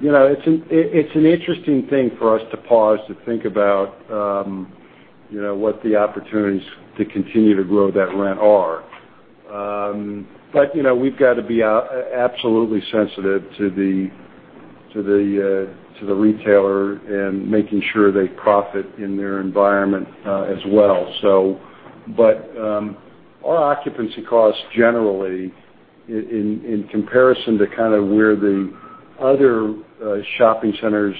It's an interesting thing for us to pause to think about what the opportunities to continue to grow that rent are. We've got to be absolutely sensitive to the retailer and making sure they profit in their environment as well. Our occupancy cost generally, in comparison to where the other shopping centers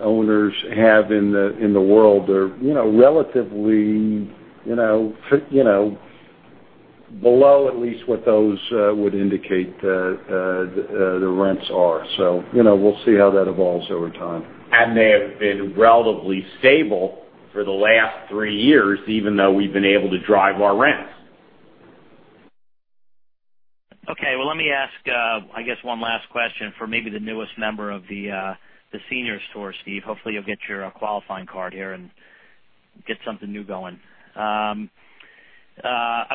owners have in the world are relatively below, at least what those would indicate the rents are. We'll see how that evolves over time. They have been relatively stable for the last three years, even though we've been able to drive our rents. Okay. Well, let me ask, I guess one last question for maybe the newest member of the senior staff, Steve. Hopefully, you'll get your qualifying card here and get something new going. I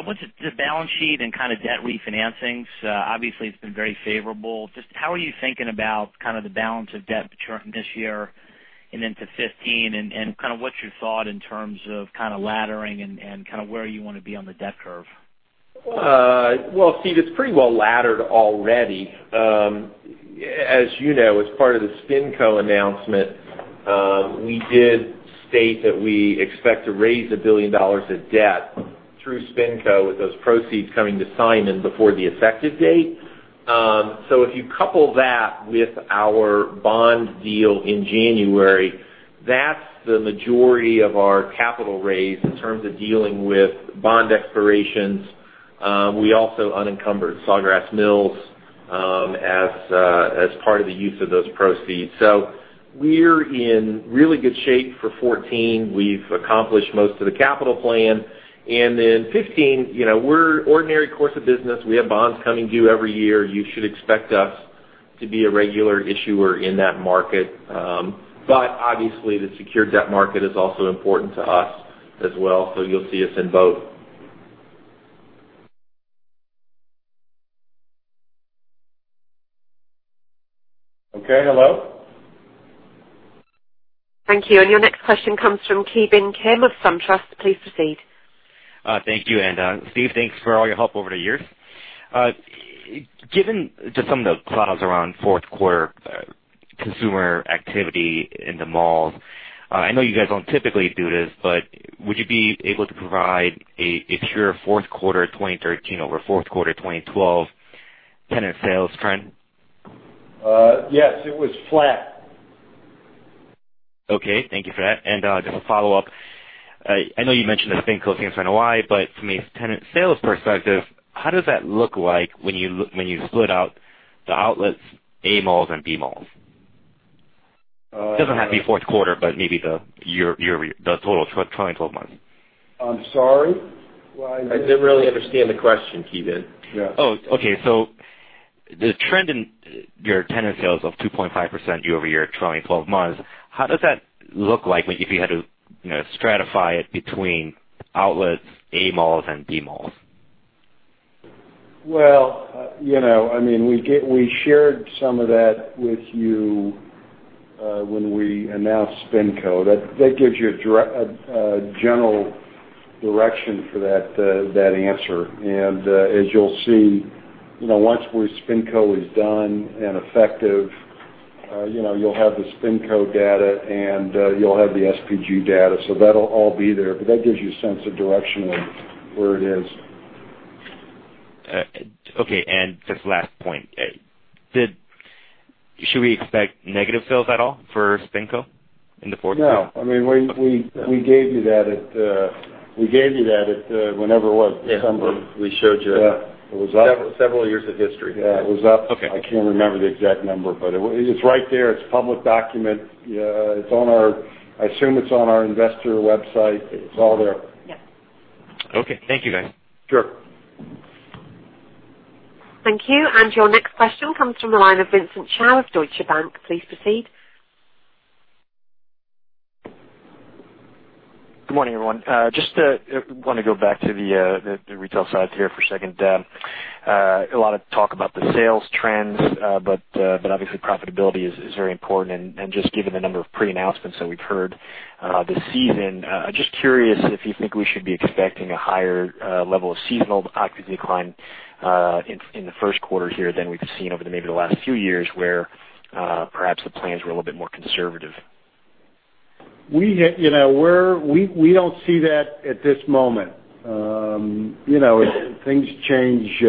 went to the balance sheet and kind of debt refinancings. Obviously, it's been very favorable. Just how are you thinking about the balance of debt maturing this year and into 2015, and what's your thought in terms of laddering and where you want to be on the debt curve? Well, Steve, it's pretty well laddered already. As you know, as part of the SpinCo announcement, we did state that we expect to raise $1 billion of debt through SpinCo, with those proceeds coming to Simon before the effective date. If you couple that with our bond deal in January, that's the majority of our capital raise in terms of dealing with bond expirations. We also unencumbered Sawgrass Mills, as part of the use of those proceeds. We're in really good shape for 2014. We've accomplished most of the capital plan. Then 2015, ordinary course of business, we have bonds coming due every year. You should expect us to be a regular issuer in that market. Obviously, the secured debt market is also important to us as well. You'll see us in both. Okay. Hello? Thank you. Your next question comes from Ki Bin Kim of SunTrust. Please proceed. Thank you. Steve, thanks for all your help over the years. Given just some of the clouds around fourth quarter consumer activity in the malls, I know you guys don't typically do this, but would you be able to provide a pure fourth quarter 2013 over fourth quarter 2012 tenant sales trend? Yes, it was flat. Okay. Thank you for that. Just a follow-up. I know you mentioned the SpinCo thing in Hawaii, but from a tenant sales perspective, how does that look like when you split out the outlets, A malls, and B malls? Uh- It doesn't have to be fourth quarter, but maybe the total 12 months. I'm sorry. What? I didn't really understand the question, Ki Bin. Okay. The trend in your tenant sales of 2.5% year-over-year, 12 months, how does that look like if you had to stratify it between outlets, A malls and B malls? Well, we shared some of that with you when we announced SpinCo. That gives you a general direction for that answer. As you'll see, once SpinCo is done and effective, you'll have the SpinCo data and you'll have the SPG data. That'll all be there, but that gives you a sense of direction of where it is. Okay. Just last point, should we expect negative sales at all for SpinCo in the fourth quarter? No. We gave you that at, whenever it was, December. We showed you- Yeah. It was up several years of history. Yeah, it was up. Okay. I can't remember the exact number, but it's right there. It's a public document. I assume it's on our investor website. It's all there. Yeah. Okay. Thank you, guys. Sure. Thank you. Your next question comes from the line of Vincent Chao of Deutsche Bank. Please proceed. Good morning, everyone. Just want to go back to the retail side here for a second. A lot of talk about the sales trends, but obviously profitability is very important given the number of pre-announcements that we've heard this season, just curious if you think we should be expecting a higher level of seasonal occupancy decline in the first quarter here than we've seen over maybe the last few years where perhaps the plans were a little bit more conservative. We don't see that at this moment. Things change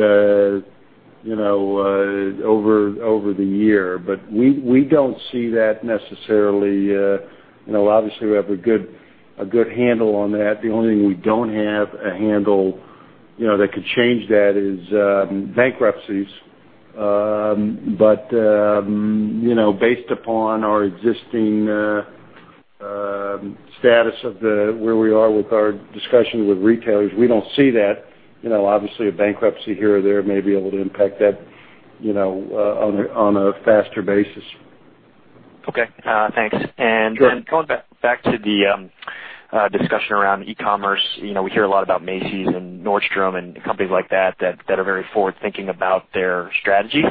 over the year, we don't see that necessarily. Obviously, we have a good handle on that. The only thing we don't have a handle that could change that is bankruptcies. Based upon our existing status of where we are with our discussions with retailers, we don't see that. Obviously, a bankruptcy here or there may be able to impact that on a faster basis. Okay, thanks. Sure. Going back to the discussion around e-commerce, we hear a lot about Macy's and Nordstrom and companies like that are very forward-thinking about their strategy.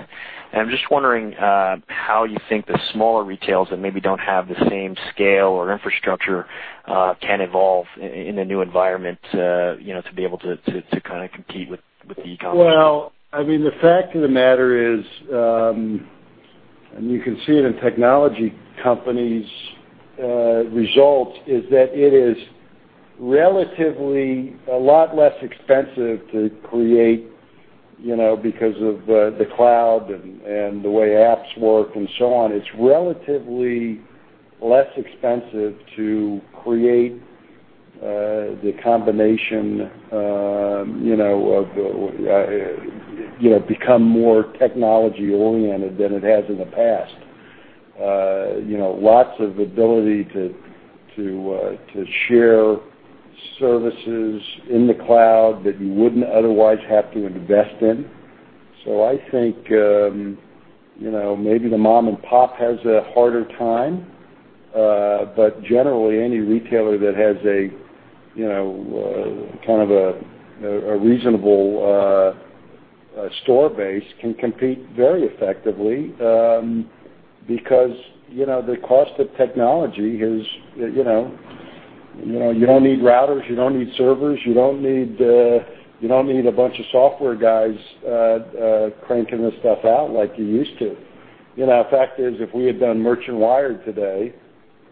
I'm just wondering how you think the smaller retailers that maybe don't have the same scale or infrastructure can evolve in the new environment to be able to compete with e-commerce. Well, the fact of the matter is, you can see it in technology companies' results, is that it is relatively a lot less expensive to create because of the cloud and the way apps work and so on. It's relatively less expensive to create the combination of become more technology-oriented than it has in the past. Lots of ability to share services in the cloud that you wouldn't otherwise have to invest in. I think maybe the mom and pop has a harder time. Generally, any retailer that has a reasonable store base can compete very effectively because the cost of technology is, you don't need routers, you don't need servers, you don't need a bunch of software guys cranking this stuff out like you used to. The fact is, if we had done MerchantWired today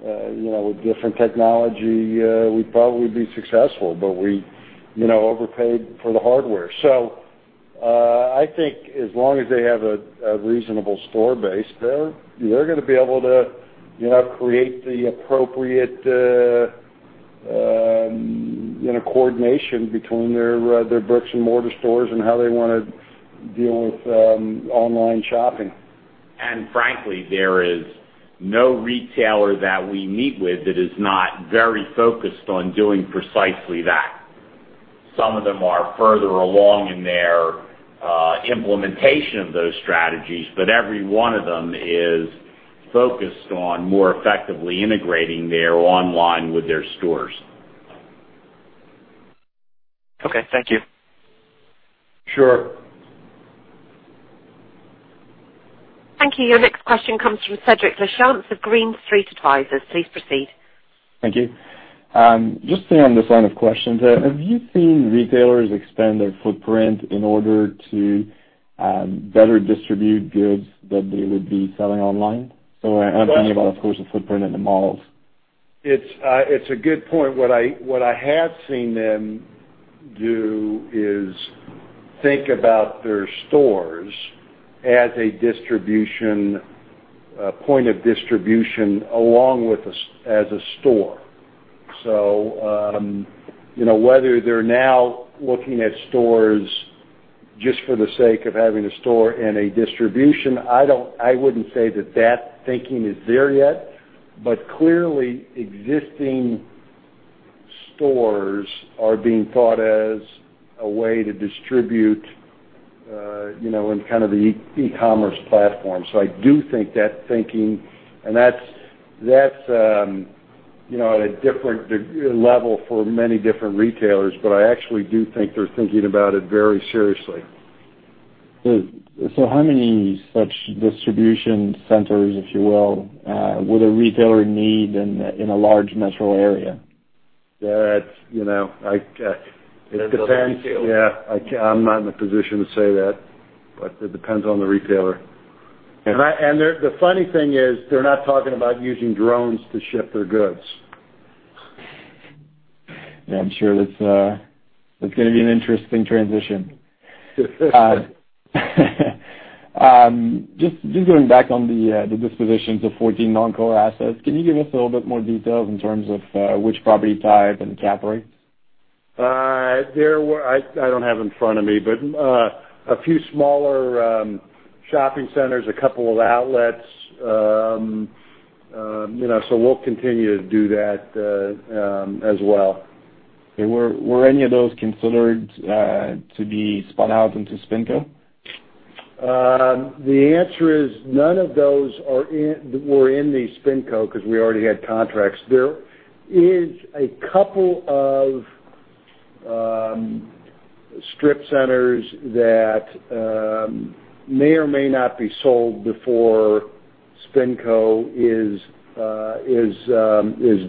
with different technology, we'd probably be successful, but we overpaid for the hardware. I think as long as they have a reasonable store base, they're going to be able to create the appropriate coordination between their bricks and mortar stores and how they want to deal with online shopping. Frankly, there is no retailer that we meet with that is not very focused on doing precisely that. Some of them are further along in their implementation of those strategies, but every one of them is focused on more effectively integrating their online with their stores. Okay, thank you. Sure. Thank you. Your next question comes from Cedrik Lachance of Green Street Advisors. Please proceed. Thank you. Just staying on this line of questions, have you seen retailers expand their footprint in order to better distribute goods that they would be selling online? I'm thinking about, of course, the footprint in the malls. It's a good point. What I have seen them do is think about their stores as a point of distribution along with as a store. Whether they're now looking at stores just for the sake of having a store and a distribution, I wouldn't say that thinking is there yet, but clearly existing stores are being thought as a way to distribute in kind of the e-commerce platform. I do think that thinking, and that's at a different level for many different retailers. I actually do think they're thinking about it very seriously. How many such distribution centers, if you will, would a retailer need in a large metro area? That, it depends. It depends on the retailer. Yeah. I'm not in a position to say that, but it depends on the retailer. The funny thing is, they're not talking about using drones to ship their goods. Yeah, I'm sure that's going to be an interesting transition. Just going back on the dispositions of 14 non-core assets, can you give us a little bit more details in terms of which property type and category? I don't have in front of me, but a few smaller shopping centers, a couple of outlets, so we'll continue to do that as well. Were any of those considered to be spun out into SpinCo? The answer is none of those were in the SpinCo because we already had contracts. There is a couple of strip centers that may or may not be sold before SpinCo is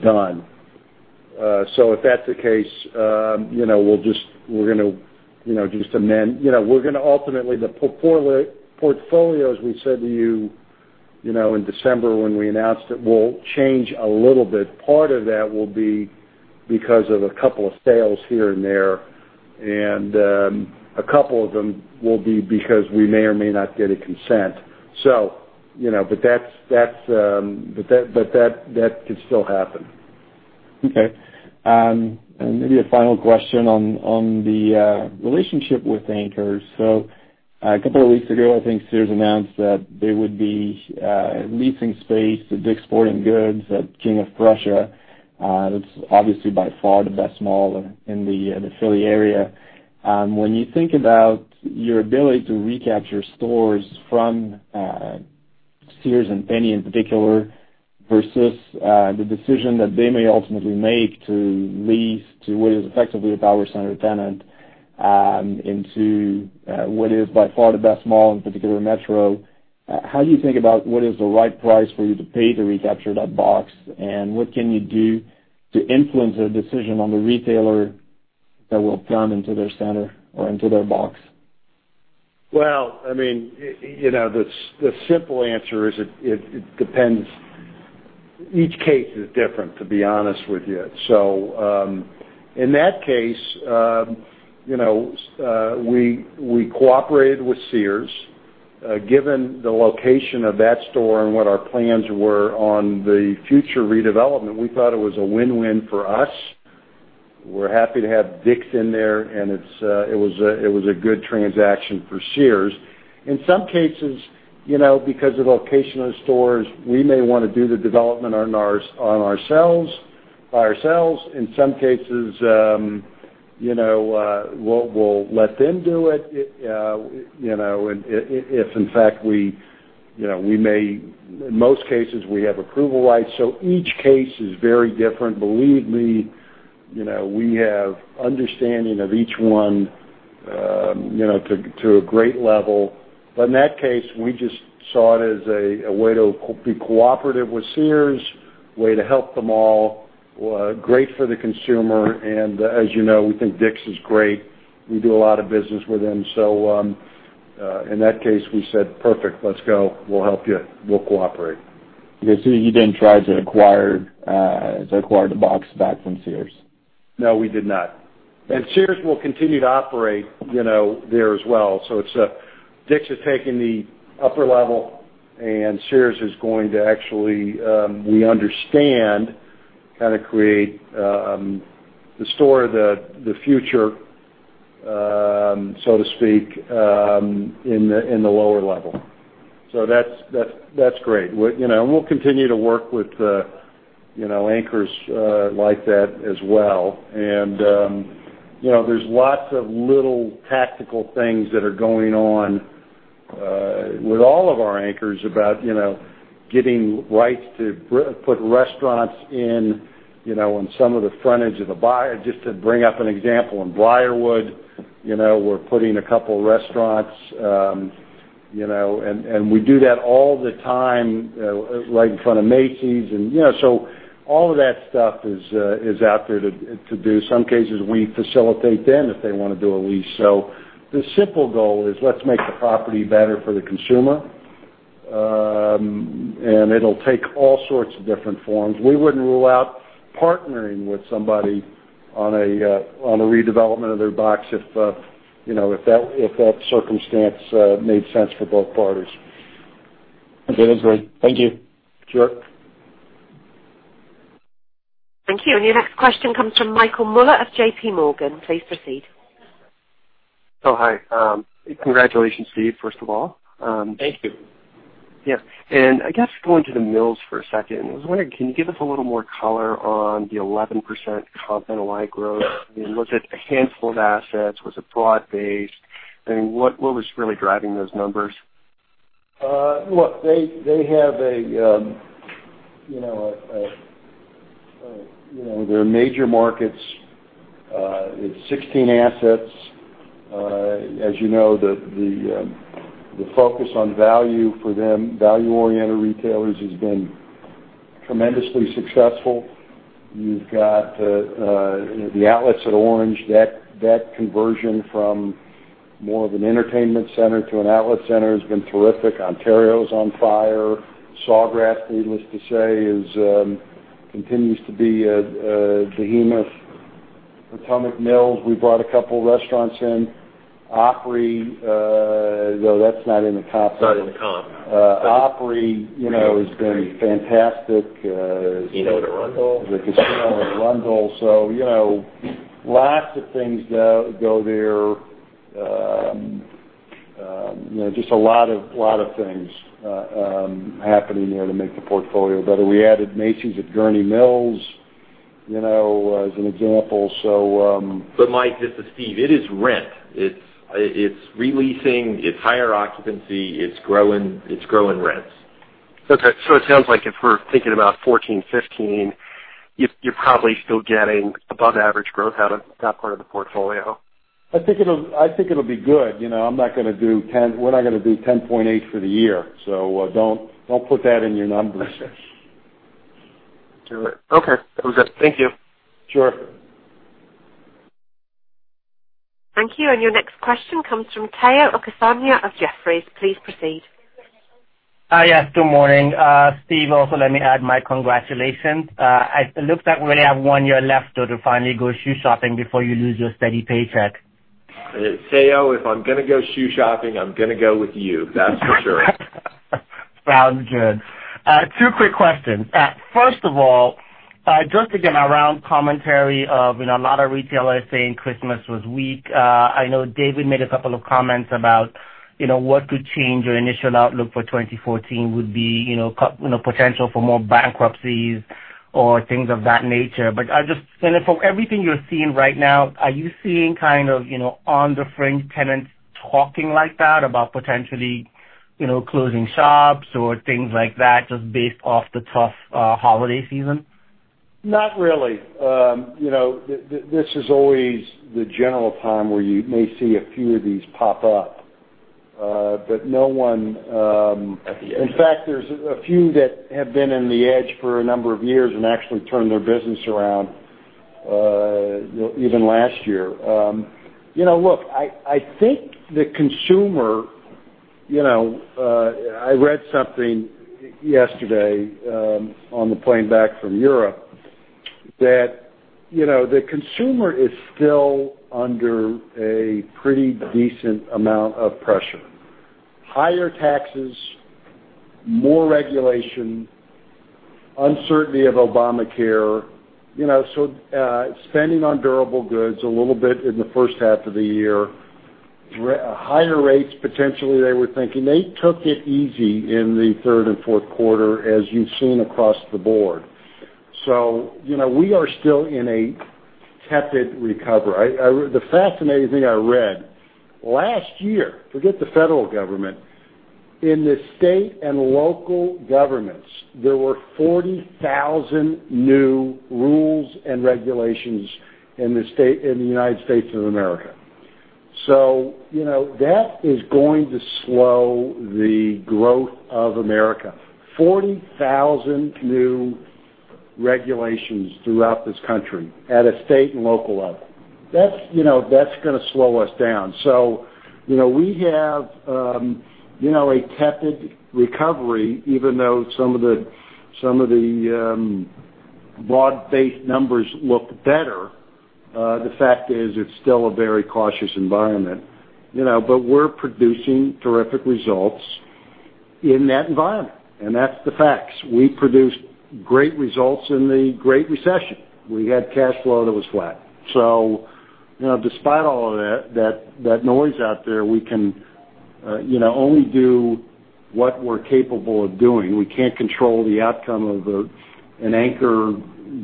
done. If that's the case, we're going to just amend. Ultimately, the portfolio, as we said to you in December when we announced it, will change a little bit. Part of that will be because of a couple of sales here and there, and a couple of them will be because we may or may not get a consent. That could still happen. Okay. Maybe a final question on the relationship with anchors. A couple of weeks ago, I think Sears announced that they would be leasing space to Dick's Sporting Goods at King of Prussia. That's obviously by far the best mall in the Philly area. When you think about your ability to recapture stores from Sears and Penney in particular, versus the decision that they may ultimately make to lease to what is effectively a power center tenant into what is by far the best mall in particular metro, how do you think about what is the right price for you to pay to recapture that box? What can you do to influence a decision on the retailer that will come into their center or into their box? Well, the simple answer is it depends. Each case is different, to be honest with you. In that case, we cooperated with Sears. Given the location of that store and what our plans were on the future redevelopment, we thought it was a win-win for us. We're happy to have Dick's in there, and it was a good transaction for Sears. In some cases, because of the location of the stores, we may want to do the development by ourselves. In some cases, we'll let them do it, in most cases, we have approval rights. Each case is very different. Believe me, we have understanding of each one to a great level. In that case, we just saw it as a way to be cooperative with Sears, way to help the mall, great for the consumer, as you know, we think Dick's is great. We do a lot of business with them. In that case, we said, "Perfect. Let's go. We'll help you. We'll cooperate. You didn't try to acquire the box back from Sears. No, we did not. Sears will continue to operate there as well. Dick's is taking the upper level, and Sears is going to actually, we understand, kind of create the store of the future, so to speak, in the lower level. That's great. We'll continue to work with anchors like that as well. There's lots of little tactical things that are going on with all of our anchors about getting rights to put restaurants in some of the frontage of the Briarwood, just to bring up an example, in Briarwood, we're putting a couple restaurants, and we do that all the time, like in front of Macy's. All of that stuff is out there to do. In some cases, we facilitate them if they want to do a lease. The simple goal is, let's make the property better for the consumer. It'll take all sorts of different forms. We wouldn't rule out partnering with somebody on a redevelopment of their box if that circumstance made sense for both parties. David, great. Thank you. Sure. Thank you. Your next question comes from Michael Mueller of JPMorgan. Please proceed. Hi. Congratulations, Steve, first of all. Thank you. Yeah. I guess going to The Mills for a second, I was wondering, can you give us a little more color on the 11% comp NOI growth? You looked at a handful of assets. Was it broad-based? What was really driving those numbers? Look, their major markets, it's 16 assets. As you know, the focus on value for them, value-oriented retailers, has been tremendously successful. You've got The Outlets at Orange. That conversion from more of an entertainment center to an outlet center has been terrific. Ontario is on fire. Sawgrass, needless to say, continues to be a behemoth. Potomac Mills, we brought a couple of restaurants in. Opry, though that's not in the comp. It's not in the comp. Opry has been fantastic. The casino at Arundel. The casino at Arundel. Lots of things go there. Just a lot of things happening there to make the portfolio better. We added Macy's at Gurnee Mills, as an example. Mike, this is Steve. It is rent. It's re-leasing. It's higher occupancy. It's growing rents. It sounds like if we're thinking about 2014, 2015, you're probably still getting above average growth out of that part of the portfolio. I think it'll be good. We're not going to do 10.8 for the year. Don't put that in your numbers. Okay. That was it. Thank you. Sure. Thank you. Your next question comes from Omotayo Okusanya of Jefferies. Please proceed. Hi. Yes, good morning. Steve, also let me add my congratulations. It looks like we only have one year left to finally go shoe shopping before you lose your steady paycheck. Tayo, if I'm going to go shoe shopping, I'm going to go with you. That's for sure. Sounds good. Two quick questions. First of all, just again, around commentary of a lot of retailers saying Christmas was weak. I know David made a couple of comments about what could change your initial outlook for 2014 would be potential for more bankruptcies or things of that nature. From everything you're seeing right now, are you seeing kind of on the fringe tenants talking like that about potentially closing shops or things like that, just based off the tough holiday season? Not really. This is always the general time where you may see a few of these pop up. In fact, there's a few that have been in the edge for a number of years and actually turned their business around, even last year. Look, I think the consumer I read something yesterday on the plane back from Europe, that the consumer is still under a pretty decent amount of pressure. Higher taxes, more regulation, uncertainty of Obamacare. Spending on durable goods a little bit in the first half of the year. Higher rates, potentially, they were thinking. They took it easy in the third and fourth quarter, as you've seen across the board. We are still in a tepid recovery. The fascinating thing I read, last year, forget the federal government, in the state and local governments, there were 40,000 new rules and regulations in the United States of America. That is going to slow the growth of America, 40,000 new regulations throughout this country at a state and local level. That's going to slow us down. We have a tepid recovery, even though some of the broad-based numbers look better. The fact is it's still a very cautious environment. We're producing terrific results in that environment, and that's the facts. We produced great results in the Great Recession. We had cash flow that was flat. Despite all of that noise out there, we can only do what we're capable of doing. We can't control the outcome of an anchor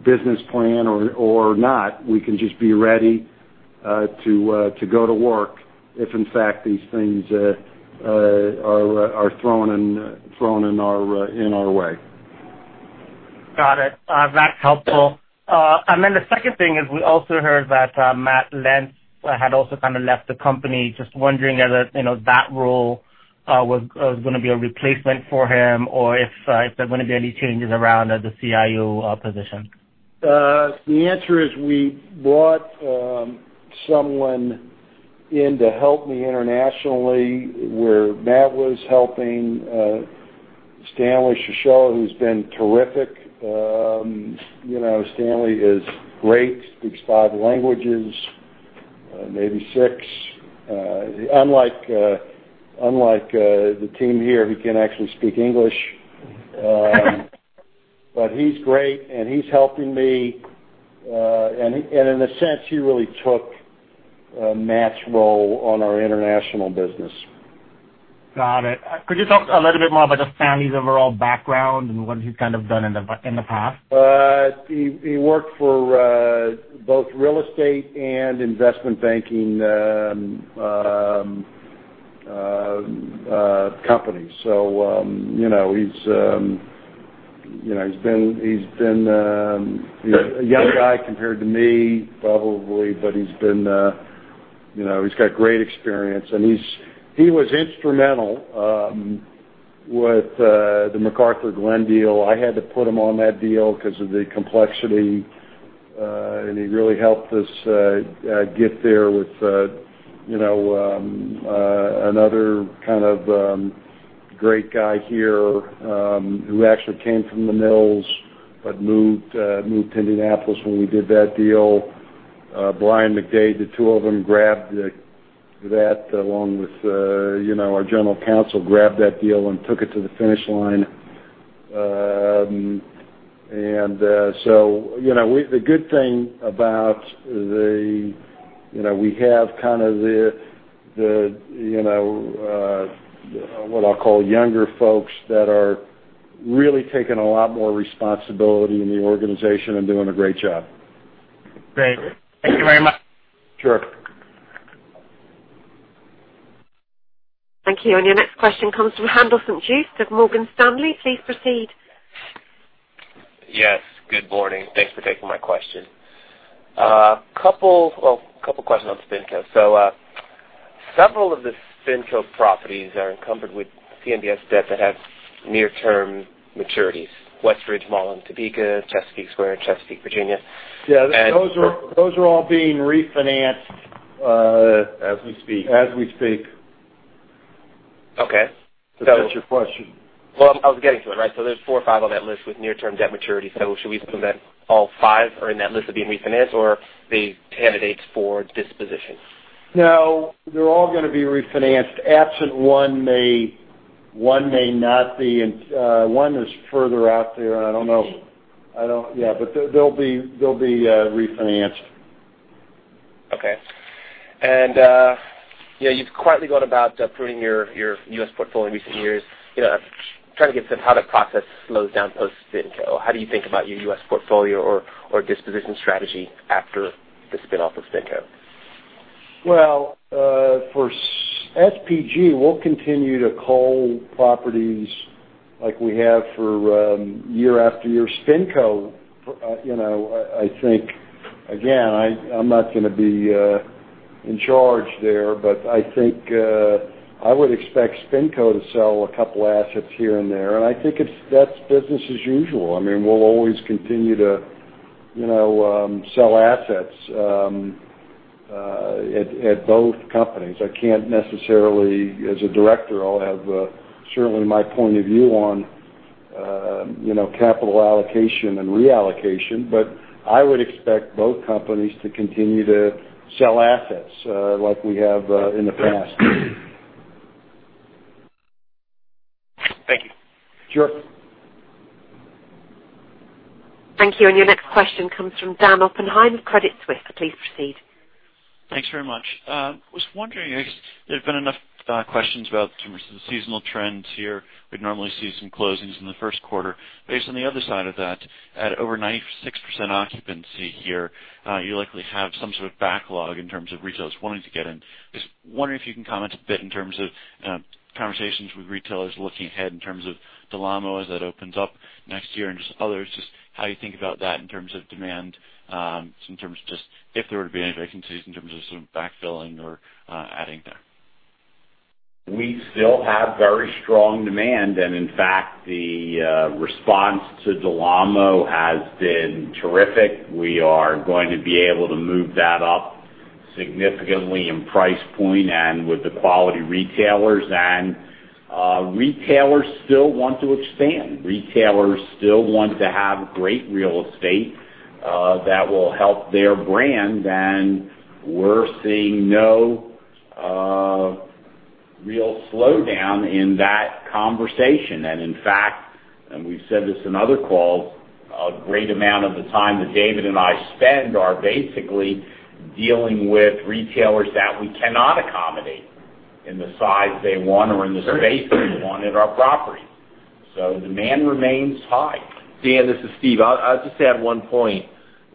business plan or not. We can just be ready to go to work if in fact these things are thrown in our way. Got it. That's helpful. The second thing is we also heard that Matthew Lentz had also kind of left the company. Just wondering whether that role was going to be a replacement for him or if there were going to be any changes around the CIO position. The answer is we brought someone in to help me internationally, where Matt was helping Stanley Shashoua, who's been terrific. Stanley is great, speaks five languages, maybe six. Unlike the team here, he can actually speak English. He's great, and he's helping me. In a sense, he really took Matt's role on our international business. Got it. Could you talk a little bit more about Stanley's overall background and what he's kind of done in the past? He worked for both real estate and investment banking companies. He's been a young guy compared to me, probably, but he's got great experience. He was instrumental with the McArthurGlen deal. I had to put him on that deal because of the complexity. He really helped us get there with another kind of great guy here, who actually came from The Mills but moved to Indianapolis when we did that deal. Brian McDade, the two of them grabbed that along with our general counsel, grabbed that deal and took it to the finish line. The good thing about the, what I'll call younger folks that are really taking a lot more responsibility in the organization and doing a great job. Great. Thank you very much. Sure. Thank you. Your next question comes from Haendel St. Juste of Morgan Stanley. Please proceed. Yes, good morning. Thanks for taking my question. Well, a couple questions on SpinCo. Several of the SpinCo properties are encumbered with CMBS debt that have near-term maturities. West Ridge Mall in Topeka, Chesapeake Square in Chesapeake, Virginia. Yeah, those are all being refinanced- As we speak. As we speak. Okay. Does that answer your question? Well, I was getting to it. There's four or five on that list with near-term debt maturities. Should we assume that all five are in that list of being refinanced or the candidates for disposition? No, they're all going to be refinanced. Absent one may not be. One is further out there, and I don't know. They'll be refinanced. Okay. You've quietly gone about pruning your U.S. portfolio in recent years. I'm trying to get a sense how that process slows down post-SpinCo. How do you think about your U.S. portfolio or disposition strategy after the spin-off of SpinCo? Well, for SPG, we'll continue to cull properties like we have for year after year. SpinCo, I think, again, I'm not going to be in charge there, but I think I would expect SpinCo to sell a couple assets here and there. I think that's business as usual. I mean, we'll always continue to sell assets at both companies. I can't necessarily, as a director, I'll have certainly my point of view on capital allocation and reallocation, but I would expect both companies to continue to sell assets like we have in the past. Thank you. Sure. Thank you. Your next question comes from Dan Oppenheim of Credit Suisse. Please proceed. Thanks very much. I was wondering, there's been enough questions about some recent seasonal trends here. We'd normally see some closings in the first quarter. Based on the other side of that, at over 96% occupancy here, you likely have some sort of backlog in terms of retailers wanting to get in. Just wondering if you can comment a bit in terms of conversations with retailers looking ahead in terms of Del Amo as that opens up next year and just others, just how you think about that in terms of demand, in terms of just if there were to be any vacancies, in terms of sort of backfilling or adding there. We still have very strong demand, in fact, the response to Del Amo has been terrific. We are going to be able to move that up significantly in price point and with the quality retailers. Retailers still want to expand. Retailers still want to have great real estate that will help their brand. We're seeing no real slowdown in that conversation. In fact, and we've said this in other calls, a great amount of the time that David and I spend are basically dealing with retailers that we cannot accommodate in the size they want or in the space they want at our property. Demand remains high. Dan, this is Steve. I'll just add one point.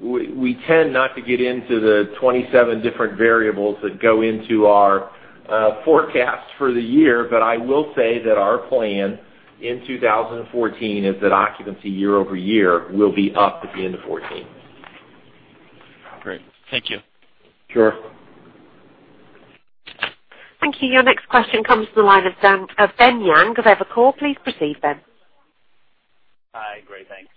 We tend not to get into the 27 different variables that go into our forecast for the year, but I will say that our plan in 2014 is that occupancy year-over-year will be up at the end of 2014. Great. Thank you. Sure. Thank you. Your next question comes from the line of Ben Yang of Evercore. Please proceed, Ben. Hi, great. Thanks.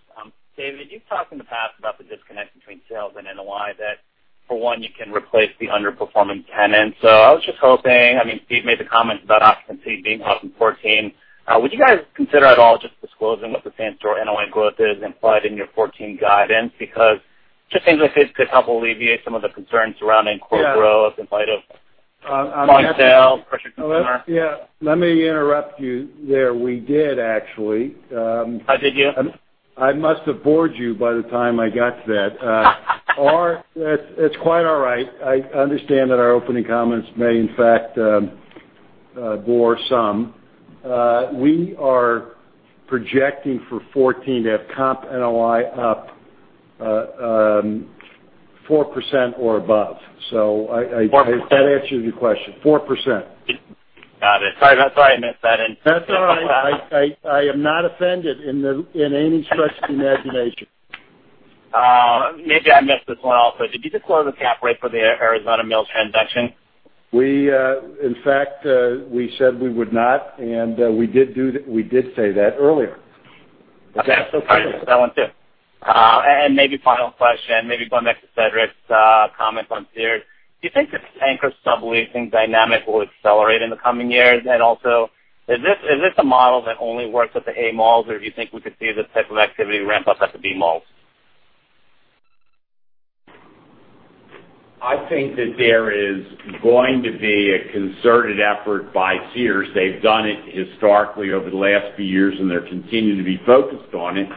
David, you've talked in the past about the disconnect between sales and NOI, that for one, you can replace the underperforming tenants. I was just hoping, Steve made the comment about occupancy being up in 2014. Would you guys consider at all just disclosing what the same-store NOI growth is implied in your 2014 guidance? It just seems like this could help alleviate some of the concerns surrounding core- Yeah growth in light of. I'm going to. same-store pressure from. Yeah. Let me interrupt you there. We did, actually. Oh, did you? I must have bored you by the time I got to that. It's quite all right. I understand that our opening comments may in fact bore some. We are projecting for 2014 to have comp NOI up 4% or above. 4%. That answers your question. 4%. Got it. Sorry, I missed that end. That's all right. I am not offended in any stretch of the imagination. Maybe I missed this one also. Did you disclose the cap rate for the Arizona Mills transaction? In fact, we said we would not, and we did say that earlier. Sorry, I missed that one, too. Maybe final question, maybe going back to Cedrik's comment on Sears. Do you think this anchor subleasing dynamic will accelerate in the coming years? Also, is this a model that only works at the A malls, or do you think we could see this type of activity ramp up at the B malls? I think that there is going to be a concerted effort by Sears. They've done it historically over the last few years, and they're continuing to be focused on it,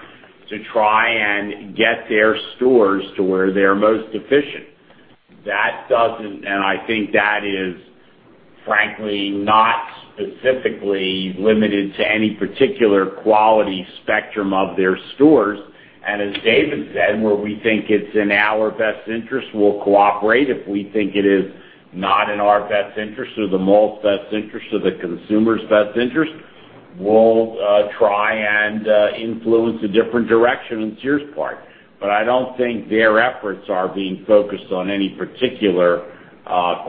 to try and get their stores to where they're most efficient. I think that is frankly not specifically limited to any particular quality spectrum of their stores. As David said, where we think it's in our best interest, we'll cooperate. If we think it is not in our best interest or the mall's best interest or the consumer's best interest, we'll try and influence a different direction on Sears' part. I don't think their efforts are being focused on any particular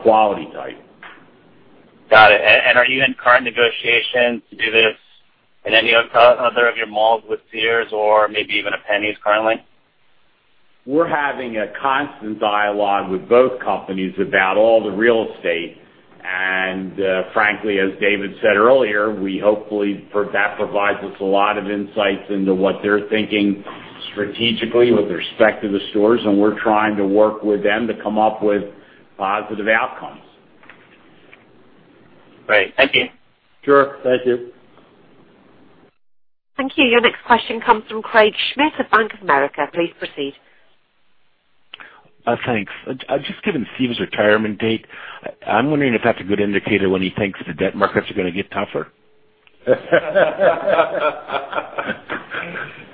quality type. Got it. Are you in current negotiations to do this in any other of your malls with Sears or maybe even a Penney's currently? We're having a constant dialogue with both companies about all the real estate. Frankly, as David said earlier, that provides us a lot of insights into what they're thinking strategically with respect to the stores, and we're trying to work with them to come up with positive outcomes. Great. Thank you. Sure. Thank you. Thank you. Your next question comes from Craig Schmidt of Bank of America. Please proceed. Thanks. Just given Steve's retirement date, I'm wondering if that's a good indicator when he thinks the debt markets are going to get tougher.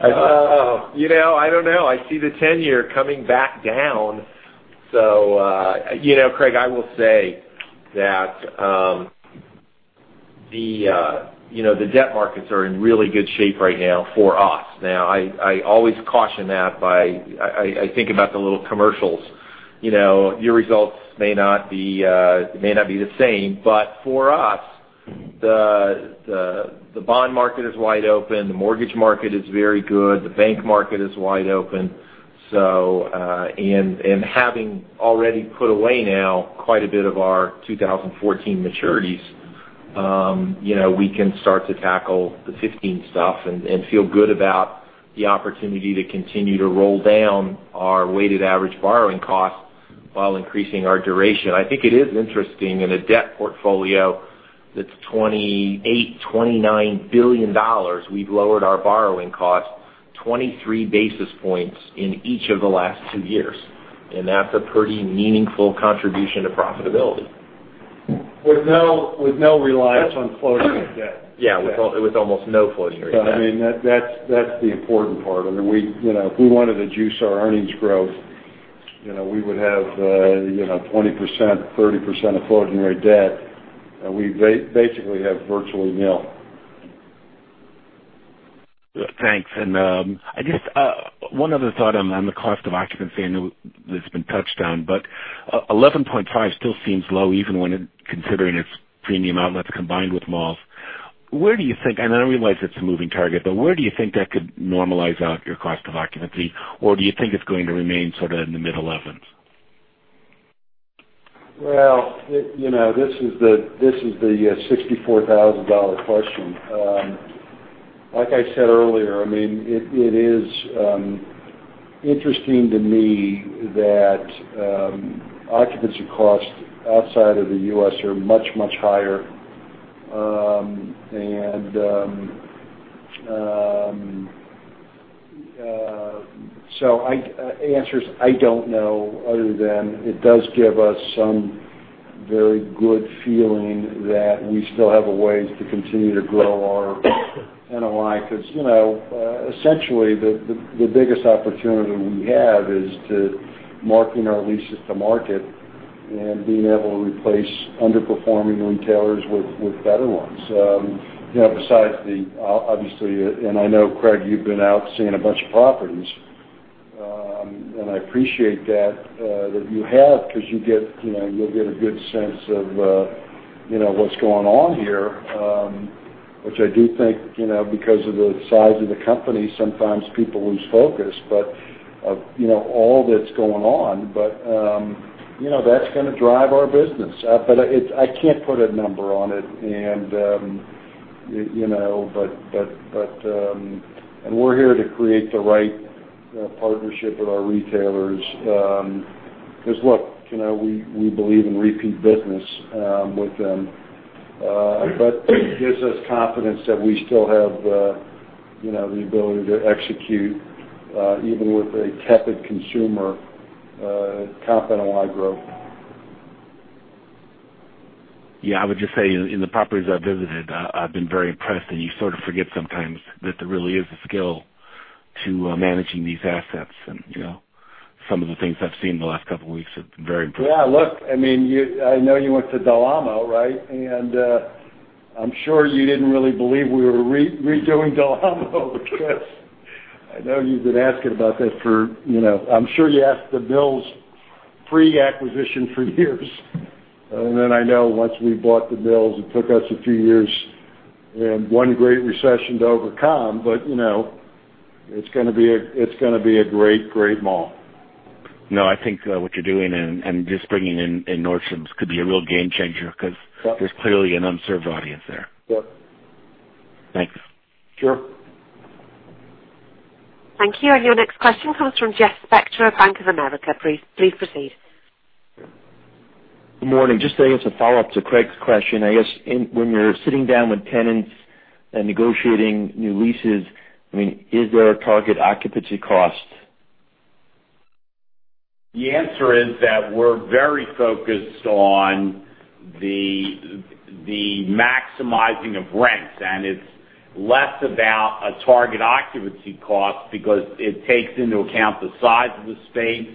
I don't know. I see the tenure coming back down. Craig, I will say that the debt markets are in really good shape right now for us. Now, I always caution that by, I think about the little commercials. Your results may not be the same. For us, the bond market is wide open, the mortgage market is very good, the bank market is wide open. Having already put away now quite a bit of our 2014 maturities, we can start to tackle the 2015 stuff and feel good about the opportunity to continue to roll down our weighted average borrowing costs while increasing our duration. I think it is interesting, in a debt portfolio that's $28 billion-$29 billion, we've lowered our borrowing cost 23 basis points in each of the last two years. That's a pretty meaningful contribution to profitability. With no reliance on floating debt. Yeah. With almost no floating rate debt. That's the important part. If we wanted to juice our earnings growth, we would have 20%-30% of floating rate debt. We basically have virtually nil. Thanks. Just one other thought on the cost of occupancy. I know that's been touched on, 11.5 still seems low, even when considering its premium outlets combined with malls. I realize it's a moving target, where do you think that could normalize out your cost of occupancy? Do you think it's going to remain sort of in the mid-11s? Well, this is the $64,000 question. Like I said earlier, it is interesting to me that occupancy costs outside of the U.S. are much, much higher. The answer is, I don't know, other than it does give us some very good feeling that we still have a ways to continue to grow our NOI because essentially, the biggest opportunity we have is to marking our leases to market and being able to replace underperforming retailers with better ones. I know, Craig, you've been out seeing a bunch of properties, and I appreciate that you have because you'll get a good sense of what's going on here, which I do think, because of the size of the company, sometimes people lose focus of all that's going on. That's going to drive our business. I can't put a number on it. We're here to create the right partnership with our retailers because, look, we believe in repeat business with them. It gives us confidence that we still have the ability to execute, even with a tepid consumer, comp NOI growth. I would just say in the properties I've visited, I've been very impressed, you sort of forget sometimes that there really is a skill to managing these assets, some of the things I've seen in the last couple of weeks have been very impressive. Yeah, look, I know you went to Del Amo, right? I'm sure you didn't really believe we were redoing Del Amo because I know you've been asking about that for I'm sure you asked The Mills pre-acquisition for years. I know once we bought The Mills, it took us a few years and one great recession to overcome. It's going to be a great mall. No, I think what you're doing and just bringing in Nordstrom could be a real game changer. Yeah there's clearly an unserved audience there. Yeah. Thanks. Sure. Thank you. Your next question comes from Jeffrey Spector of Bank of America. Please proceed. Good morning. Just saying as a follow-up to Craig's question, I guess, when you're sitting down with tenants and negotiating new leases, is there a target occupancy cost? The answer is that we're very focused on the maximizing of rents, it's less about a target occupancy cost because it takes into account the size of the space,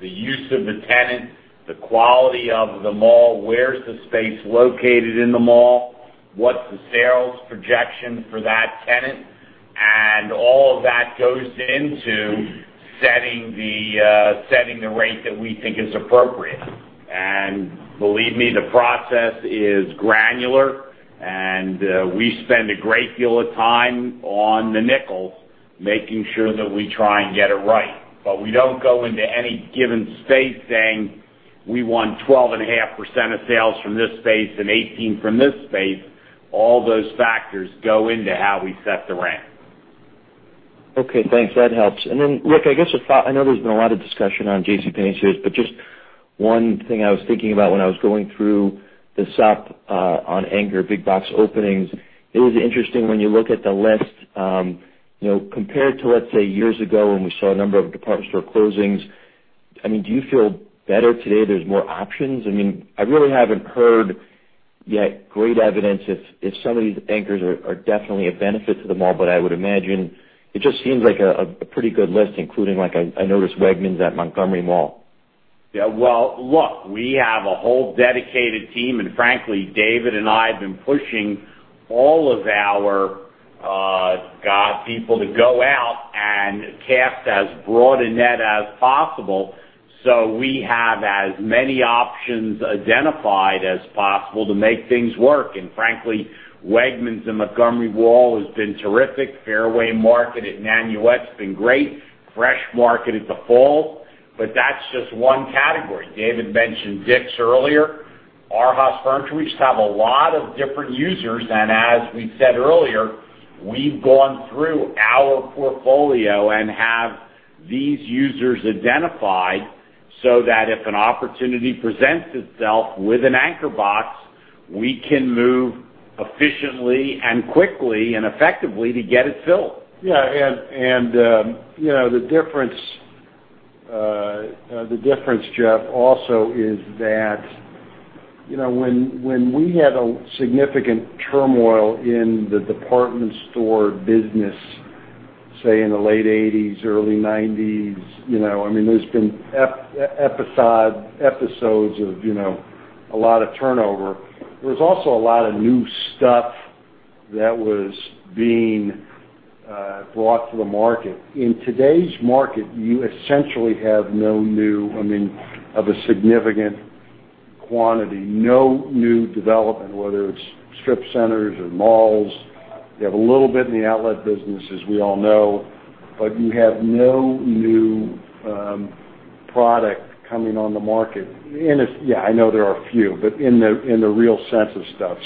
the use of the tenant, the quality of the mall, where's the space located in the mall, what's the sales projection for that tenant, all of that goes into setting the rate that we think is appropriate. Believe me, the process is granular, and we spend a great deal of time on the nickels making sure that we try and get it right. We don't go into any given space saying, "We want 12.5% of sales from this space and 18% from this space." All those factors go into how we set the rent. Okay, thanks. Look, I know there's been a lot of discussion on J.C. Penney stores, just one thing I was thinking about when I was going through the sop on anchor big-box openings, it was interesting when you look at the list. Compared to, let's say, years ago, when we saw a number of department store closings, do you feel better today? There's more options. I really haven't heard yet great evidence if some of these anchors are definitely a benefit to the mall, I would imagine it just seems like a pretty good list, including, I noticed, Wegmans at Montgomery Mall. Look, we have a whole dedicated team, frankly, David and I have been pushing all of our people to go out and cast as broad a net as possible so we have as many options identified as possible to make things work. Frankly, Wegmans and Montgomery Mall has been terrific. Fairway Market at Nanuet has been great. Fresh Market at The Falls, that's just one category. David mentioned Dick's earlier. Arhaus Furniture. We just have a lot of different users, as we said earlier, we've gone through our portfolio and have these users identified so that if an opportunity presents itself with an anchor box, we can move efficiently and quickly and effectively to get it filled. The difference, Jeffrey Spector, also, is that when we had a significant turmoil in the department store business, say, in the late 1980s, early 1990s, there's been episodes of a lot of turnover. There was also a lot of new stuff that was being brought to the market. In today's market, you essentially have no new, of a significant quantity, no new development, whether it's strip centers or malls. You have a little bit in the outlet business, as we all know, but you have no new product coming on the market. Yeah, I know there are a few, but in the real sense of stuff.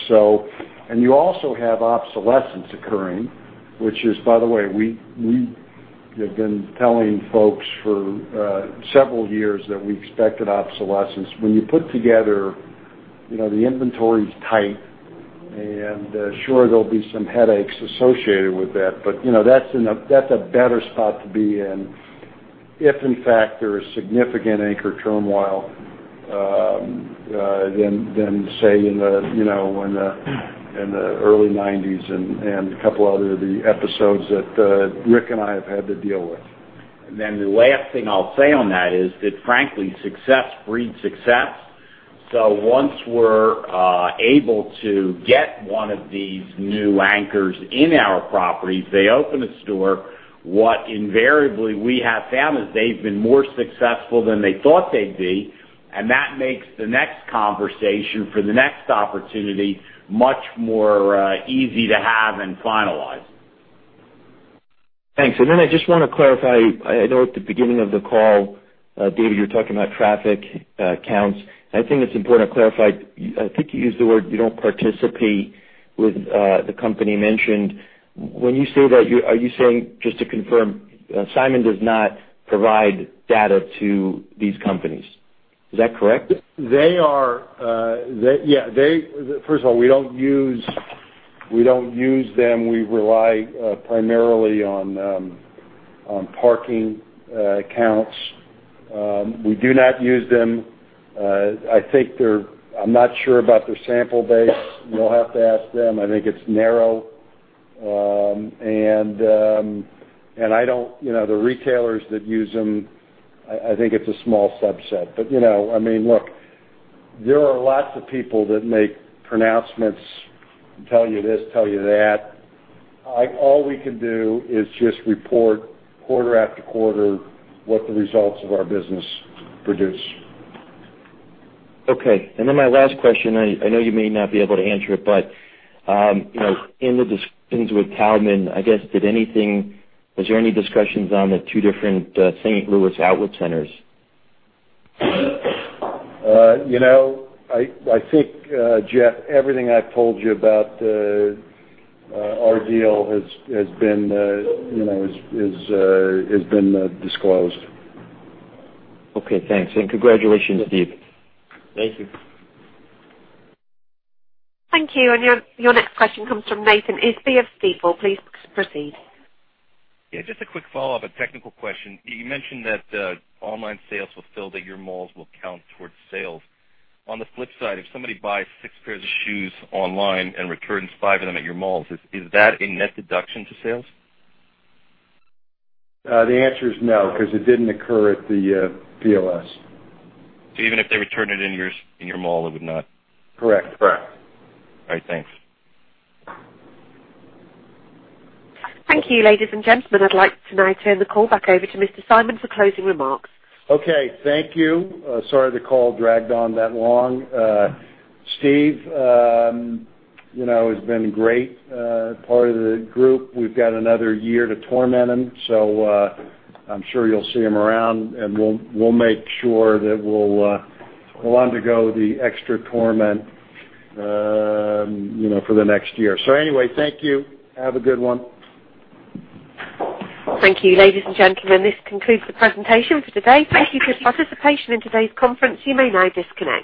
You also have obsolescence occurring, which is, by the way, we have been telling folks for several years that we expected obsolescence. The inventory is tight. Sure there'll be some headaches associated with that, but that's a better spot to be in if, in fact, there is significant anchor turmoil than, say, in the early 1990s and a couple other of the episodes that Rick Sokolov and I have had to deal with. The last thing I'll say on that is that, frankly, success breeds success. Once we're able to get one of these new anchors in our properties, they open a store, what invariably we have found is they've been more successful than they thought they'd be, and that makes the next conversation for the next opportunity much more easy to have and finalize. Thanks. I just want to clarify, I know at the beginning of the call, David Simon, you were talking about traffic counts, and I think it's important to clarify. I think you used the word you don't participate with the company mentioned. When you say that, are you saying, just to confirm, Simon does not provide data to these companies. Is that correct? First of all, we don't use them. We rely primarily on parking counts. We do not use them. I'm not sure about their sample base. You'll have to ask them. I think it's narrow. The retailers that use them, I think it's a small subset. Look, there are lots of people that make pronouncements and tell you this, tell you that. All we can do is just report quarter after quarter what the results of our business produce. Okay. Then my last question, I know you may not be able to answer it, in the discussions with Taubman, was there any discussions on the two different St. Louis outlet centers? I think, Jeff, everything I've told you about our deal has been disclosed. Okay, thanks. Congratulations, Steve. Thank you. Thank you. Your next question comes from Nathan Isbee. Please proceed. Yeah, just a quick follow-up and technical question. You mentioned that online sales fulfilled at your malls will count towards sales. On the flip side, if somebody buys 6 pairs of shoes online and returns 5 of them at your malls, is that a net deduction to sales? The answer is no, because it didn't occur at the POS. Even if they return it in your mall, it would not. Correct. Correct. All right. Thanks. Thank you, ladies and gentlemen. I'd like to now turn the call back over to Mr. Simon for closing remarks. Thank you. Sorry the call dragged on that long. Steve has been great, part of the group. We've got another year to torment him, so I'm sure you'll see him around, and we'll make sure that we'll undergo the extra torment for the next year. Anyway, thank you. Have a good one. Thank you, ladies and gentlemen. This concludes the presentation for today. Thank you for your participation in today's conference. You may now disconnect.